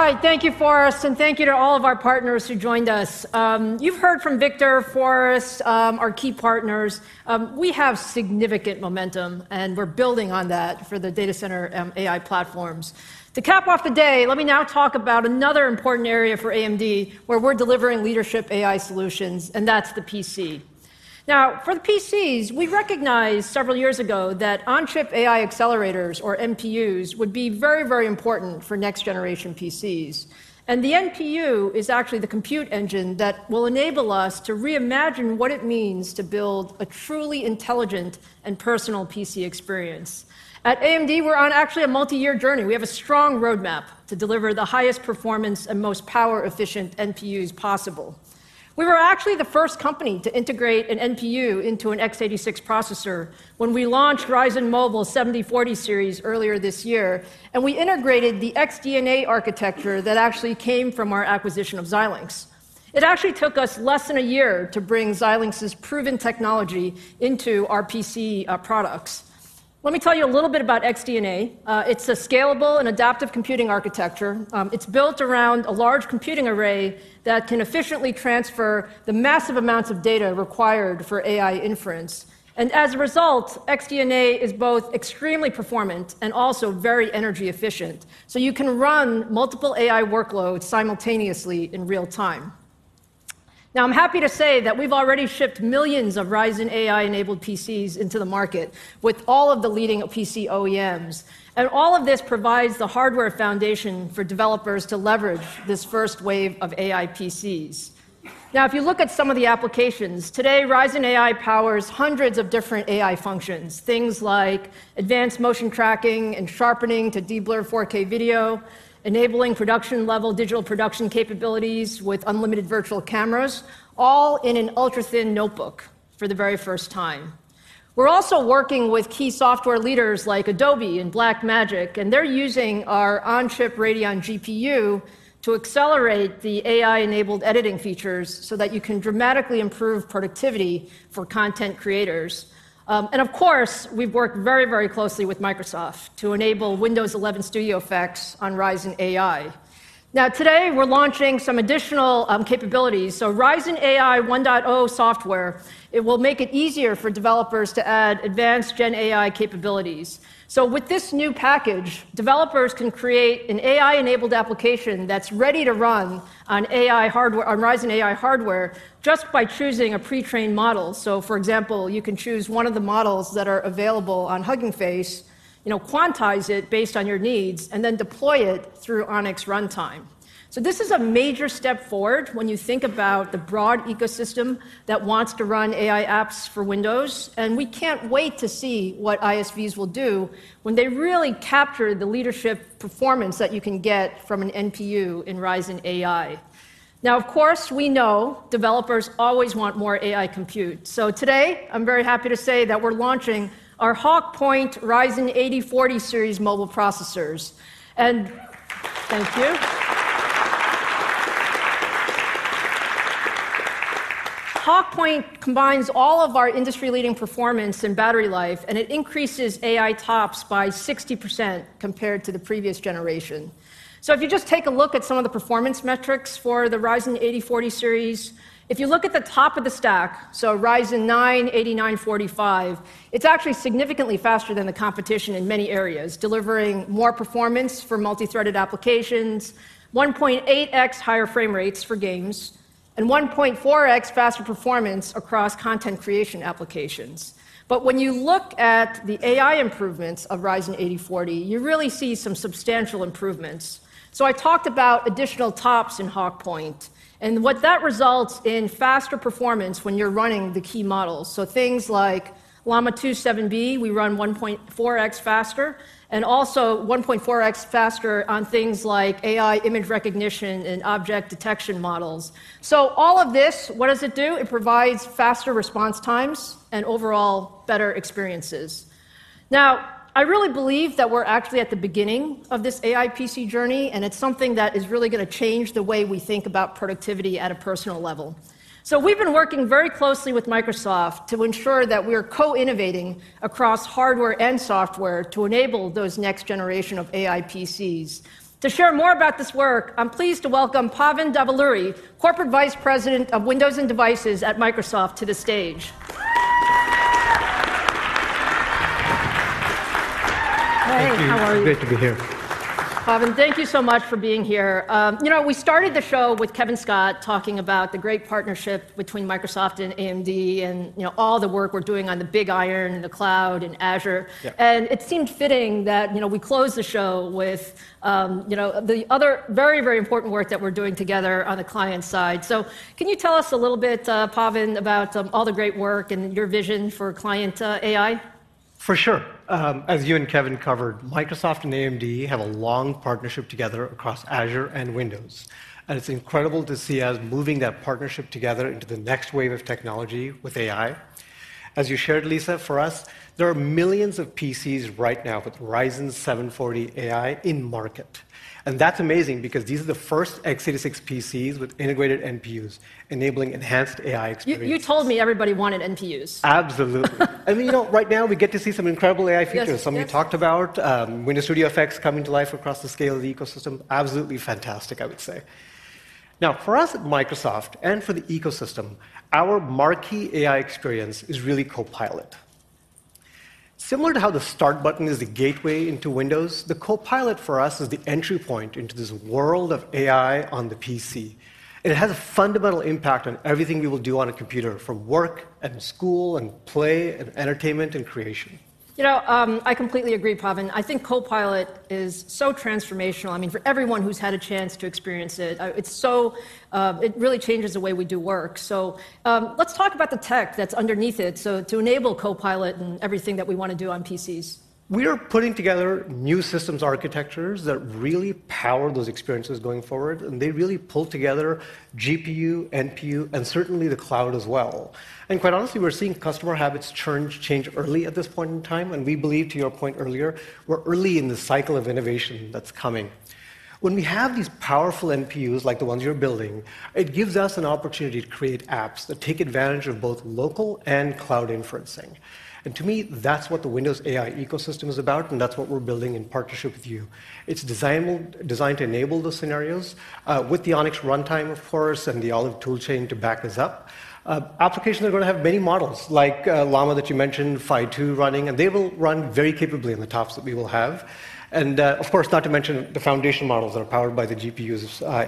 All right, thank you, Forrest, and thank you to all of our partners who joined us. You've heard from Victor, Forrest, our key partners. We have significant momentum, and we're building on that for the data center, AI platforms. To cap off the day, let me now talk about another important area for AMD, where we're delivering leadership AI solutions, and that's the PC. Now, for the PCs, we recognized several years ago that on-chip AI accelerators, or NPUs, would be very, very important for next generation PCs, and the NPU is actually the compute engine that will enable us to reimagine what it means to build a truly intelligent and personal PC experience. At AMD, we're on actually a multi-year journey. We have a strong roadmap to deliver the highest performance and most power-efficient NPUs possible. We were actually the first company to integrate an NPU into an x86 processor when we launched Ryzen Mobile 7040 Series earlier this year, and we integrated the XDNA architecture that actually came from our acquisition of Xilinx. It actually took us less than a year to bring Xilinx's proven technology into our PC products. Let me tell you a little bit about XDNA. It's a scalable and adaptive computing architecture. It's built around a large computing array that can efficiently transfer the massive amounts of data required for AI inference. And as a result, XDNA is both extremely performant and also very energy efficient, so you can run multiple AI workloads simultaneously in real time. Now, I'm happy to say that we've already shipped millions of Ryzen AI-enabled PCs into the market with all of the leading PC OEMs, and all of this provides the hardware foundation for developers to leverage this first wave of AI PCs. Now, if you look at some of the applications, today, Ryzen AI powers hundreds of different AI functions, things like advanced motion tracking and sharpening to deblur 4K video, enabling production-level digital production capabilities with unlimited virtual cameras, all in an ultra-thin notebook for the very first time. We're also working with key software leaders like Adobe and Blackmagic, and they're using our on-chip Radeon GPU to accelerate the AI-enabled editing features so that you can dramatically improve productivity for content creators. And of course, we've worked very, very closely with Microsoft to enable Windows 11 Studio Effects on Ryzen AI. Now, today, we're launching some additional capabilities. So Ryzen AI 1.0 software, it will make it easier for developers to add advanced Gen AI capabilities. So with this new package, developers can create an AI-enabled application that's ready to run on AI hardware... on Ryzen AI hardware just by choosing a pre-trained model. So, for example, you can choose one of the models that are available on Hugging Face, you know, quantize it based on your needs, and then deploy it through ONNX Runtime. So this is a major step forward when you think about the broad ecosystem that wants to run AI apps for Windows, and we can't wait to see what ISVs will do when they really capture the leadership performance that you can get from an NPU in Ryzen AI. Now, of course, we know developers always want more AI compute. So today, I'm very happy to say that we're launching our Hawk Point Ryzen 8040 Series mobile processors, and- Thank you. Hawk Point combines all of our industry-leading performance and battery life, and it increases AI TOPS by 60% compared to the previous generation. So if you just take a look at some of the performance metrics for the Ryzen 8040 Series, if you look at the top of the stack, so a Ryzen 9 8945, it's actually significantly faster than the competition in many areas, delivering more performance for multi-threaded applications, 1.8x higher frame rates for games, and 1.4x faster performance across content creation applications. But when you look at the AI improvements of Ryzen 8040, you really see some substantial improvements. So I talked about additional TOPS in Hawk Point, and what that results in faster performance when you're running the key models. So things like Llama 2 7B, we run 1.4x faster, and also 1.4x faster on things like AI image recognition and object detection models. So all of this, what does it do? It provides faster response times and overall better experiences. Now, I really believe that we're actually at the beginning of this AI PC journey, and it's something that is really gonna change the way we think about productivity at a personal level. So we've been working very closely with Microsoft to ensure that we're co-innovating across hardware and software to enable those next generation of AI PCs. To share more about this work, I'm pleased to welcome Pavan Davuluri, Corporate Vice President of Windows and Devices at Microsoft, to the stage. Hey, how are you? Thank you. It's great to be here. Pavan, thank you so much for being here. You know, we started the show with Kevin Scott talking about the great partnership between Microsoft and AMD, and, you know, all the work we're doing on the big iron and the cloud and Azure. Yeah. It seemed fitting that, you know, we close the show with, you know, the other very, very important work that we're doing together on the client side. So can you tell us a little bit, Pavan, about all the great work and your vision for client AI? For sure. As you and Kevin covered, Microsoft and AMD have a long partnership together across Azure and Windows, and it's incredible to see us moving that partnership together into the next wave of technology with AI. As you shared, Lisa, for us, there are millions of PCs right now with Ryzen 7040 AI in market, and that's amazing because these are the first x86 PCs with integrated NPUs, enabling enhanced AI experiences. You told me everybody wanted NPUs. Absolutely. I mean, you know, right now, we get to see some incredible AI features- Yes, yes. Some we talked about, Windows Studio Effects coming to life across the scale of the ecosystem, absolutely fantastic, I would say. Now, for us at Microsoft and for the ecosystem, our marquee AI experience is really Copilot. Similar to how the Start button is the gateway into Windows, the Copilot for us is the entry point into this world of AI on the PC. It has a fundamental impact on everything we will do on a computer, from work and school and play and entertainment and creation. You know, I completely agree, Pavan. I think Copilot is so transformational. I mean, for everyone who's had a chance to experience it, it's so... It really changes the way we do work. So, let's talk about the tech that's underneath it, so to enable Copilot and everything that we wanna do on PCs. We are putting together new systems architectures that really power those experiences going forward, and they really pull together GPU, NPU, and certainly the cloud as well. And quite honestly, we're seeing customer habits change early at this point in time, and we believe, to your point earlier, we're early in the cycle of innovation that's coming. When we have these powerful NPUs, like the ones you're building, it gives us an opportunity to create apps that take advantage of both local and cloud inferencing. And to me, that's what the Windows AI ecosystem is about, and that's what we're building in partnership with you. It's designed to enable those scenarios, with the ONNX Runtime, of course, and the Olive toolchain to back this up. Applications are gonna have many models, like, Llama that you mentioned, Phi-2 running, and they will run very capably on the TOPS that we will have. And, of course, not to mention the foundation models that are powered by the GPUs,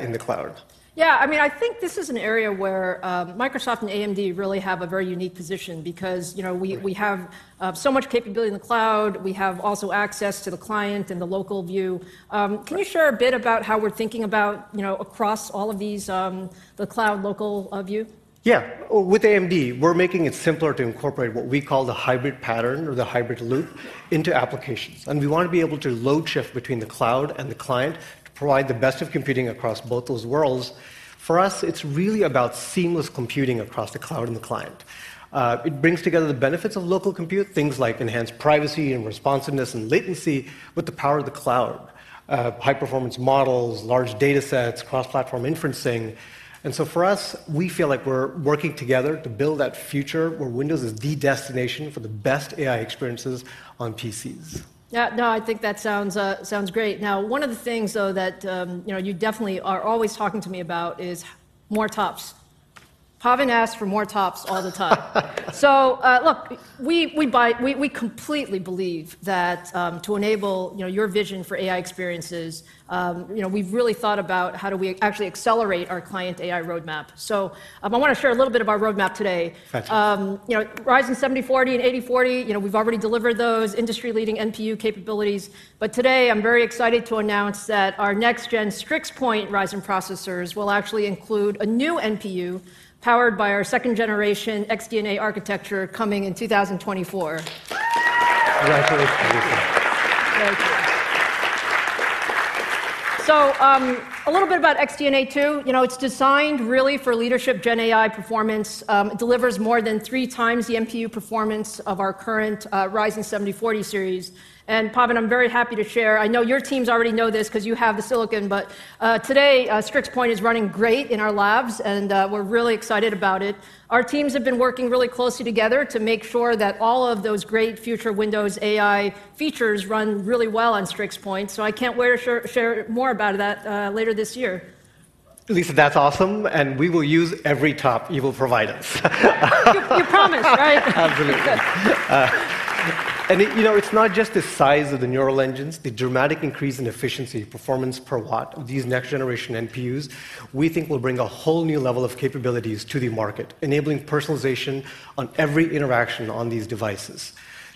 in the cloud. Yeah, I mean, I think this is an area where, Microsoft and AMD really have a very unique position because, you know- Right... we have so much capability in the cloud. We have also access to the client and the local view. Sure. Can you share a bit about how we're thinking about, you know, across all of these, the cloud, local, view? Yeah. With AMD, we're making it simpler to incorporate what we call the hybrid pattern or the hybrid loop into applications, and we want to be able to load shift between the cloud and the client to provide the best of computing across both those worlds. For us, it's really about seamless computing across the cloud and the client. It brings together the benefits of local compute, things like enhanced privacy and responsiveness and latency, with the power of the cloud, high-performance models, large datasets, cross-platform inferencing. And so for us, we feel like we're working together to build that future where Windows is the destination for the best AI experiences on PCs. Yeah, no, I think that sounds great. Now, one of the things, though, that, you know, you definitely are always talking to me about is more TOPS. Pavan asks for more TOPS all the time. So, look, we completely believe that, to enable, you know, your vision for AI experiences, you know, we've really thought about how do we actually accelerate our client AI roadmap. So, I wanna share a little bit of our roadmap today. Gotcha. You know, Ryzen 7040 and 8040, you know, we've already delivered those industry-leading NPU capabilities, but today I'm very excited to announce that our next gen Strix Point Ryzen processors will actually include a new NPU powered by our second generation XDNA architecture coming in 2024. Congratulations, Lisa. Thank you. So, a little bit about XDNA 2. You know, it's designed really for leadership Gen AI performance. It delivers more than 3x the NPU performance of our current Ryzen 7040 Series. And Pavan, I'm very happy to share... I know your teams already know this 'cause you have the silicon, but today, Strix Point is running great in our labs, and we're really excited about it. Our teams have been working really closely together to make sure that all of those great future Windows AI features run really well on Strix Point, so I can't wait to share, share more about that later this year. Lisa, that's awesome, and we will use every TOPS you will provide us. You, you promised, right? Absolutely. Good. You know, it's not just the size of the neural engines. The dramatic increase in efficiency, performance per watt, of these next-generation NPUs we think will bring a whole new level of capabilities to the market, enabling personalization on every interaction on these devices.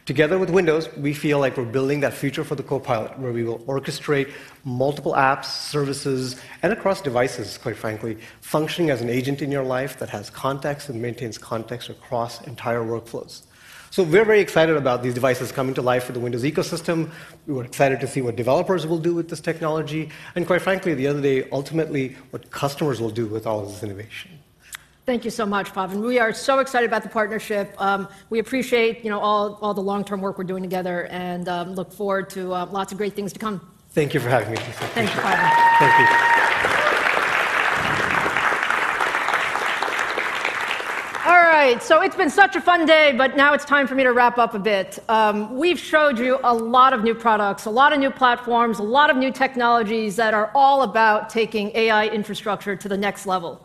Together with Windows, we feel like we're building that future for the Copilot, where we will orchestrate multiple apps, services, and across devices, quite frankly, functioning as an agent in your life that has context and maintains context across entire workflows. So we're very excited about these devices coming to life for the Windows ecosystem. We're excited to see what developers will do with this technology and, quite frankly, at the end of the day, ultimately, what customers will do with all of this innovation. Thank you so much, Pavan. We are so excited about the partnership. We appreciate, you know, all, all the long-term work we're doing together and, look forward to, lots of great things to come. Thank you for having me, Lisa. I appreciate it. Thank you, Pavan. Thank you. All right, so it's been such a fun day, but now it's time for me to wrap up a bit. We've showed you a lot of new products, a lot of new platforms, a lot of new technologies that are all about taking AI infrastructure to the next level.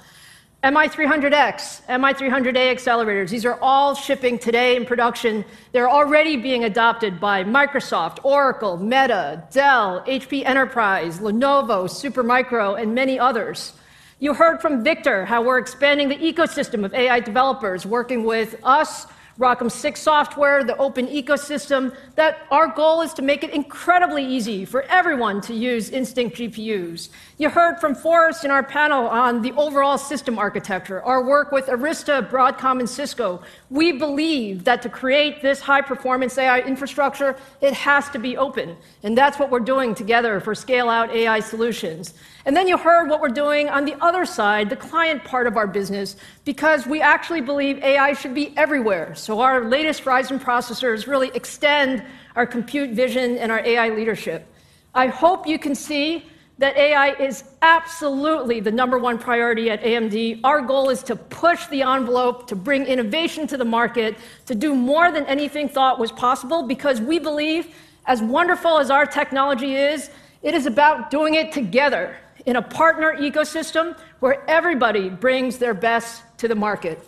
MI300X, MI300A accelerators, these are all shipping today in production. They're already being adopted by Microsoft, Oracle, Meta, Dell, HPE, Lenovo, Supermicro, and many others. You heard from Victor how we're expanding the ecosystem of AI developers working with us, ROCm 6 software, the open ecosystem, that our goal is to make it incredibly easy for everyone to use Instinct GPUs. You heard from Forrest in our panel on the overall system architecture, our work with Arista, Broadcom, and Cisco. We believe that to create this high-performance AI infrastructure, it has to be open, and that's what we're doing together for scale-out AI solutions. And then you heard what we're doing on the other side, the client part of our business, because we actually believe AI should be everywhere. So our latest Ryzen processors really extend our compute vision and our AI leadership. I hope you can see that AI is absolutely the number one priority at AMD. Our goal is to push the envelope, to bring innovation to the market, to do more than anything thought was possible, because we believe, as wonderful as our technology is, it is about doing it together in a partner ecosystem where everybody brings their best to the market.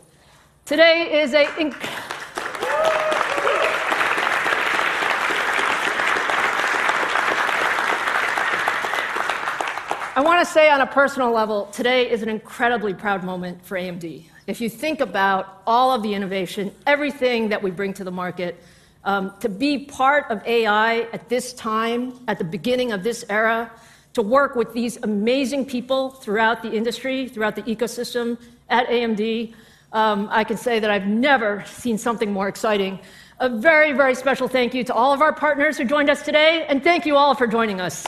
Today, I wanna say on a personal level, today is an incredibly proud moment for AMD. If you think about all of the innovation, everything that we bring to the market, to be part of AI at this time, at the beginning of this era, to work with these amazing people throughout the industry, throughout the ecosystem at AMD, I can say that I've never seen something more exciting. A very, very special thank you to all of our partners who joined us today, and thank you all for joining us.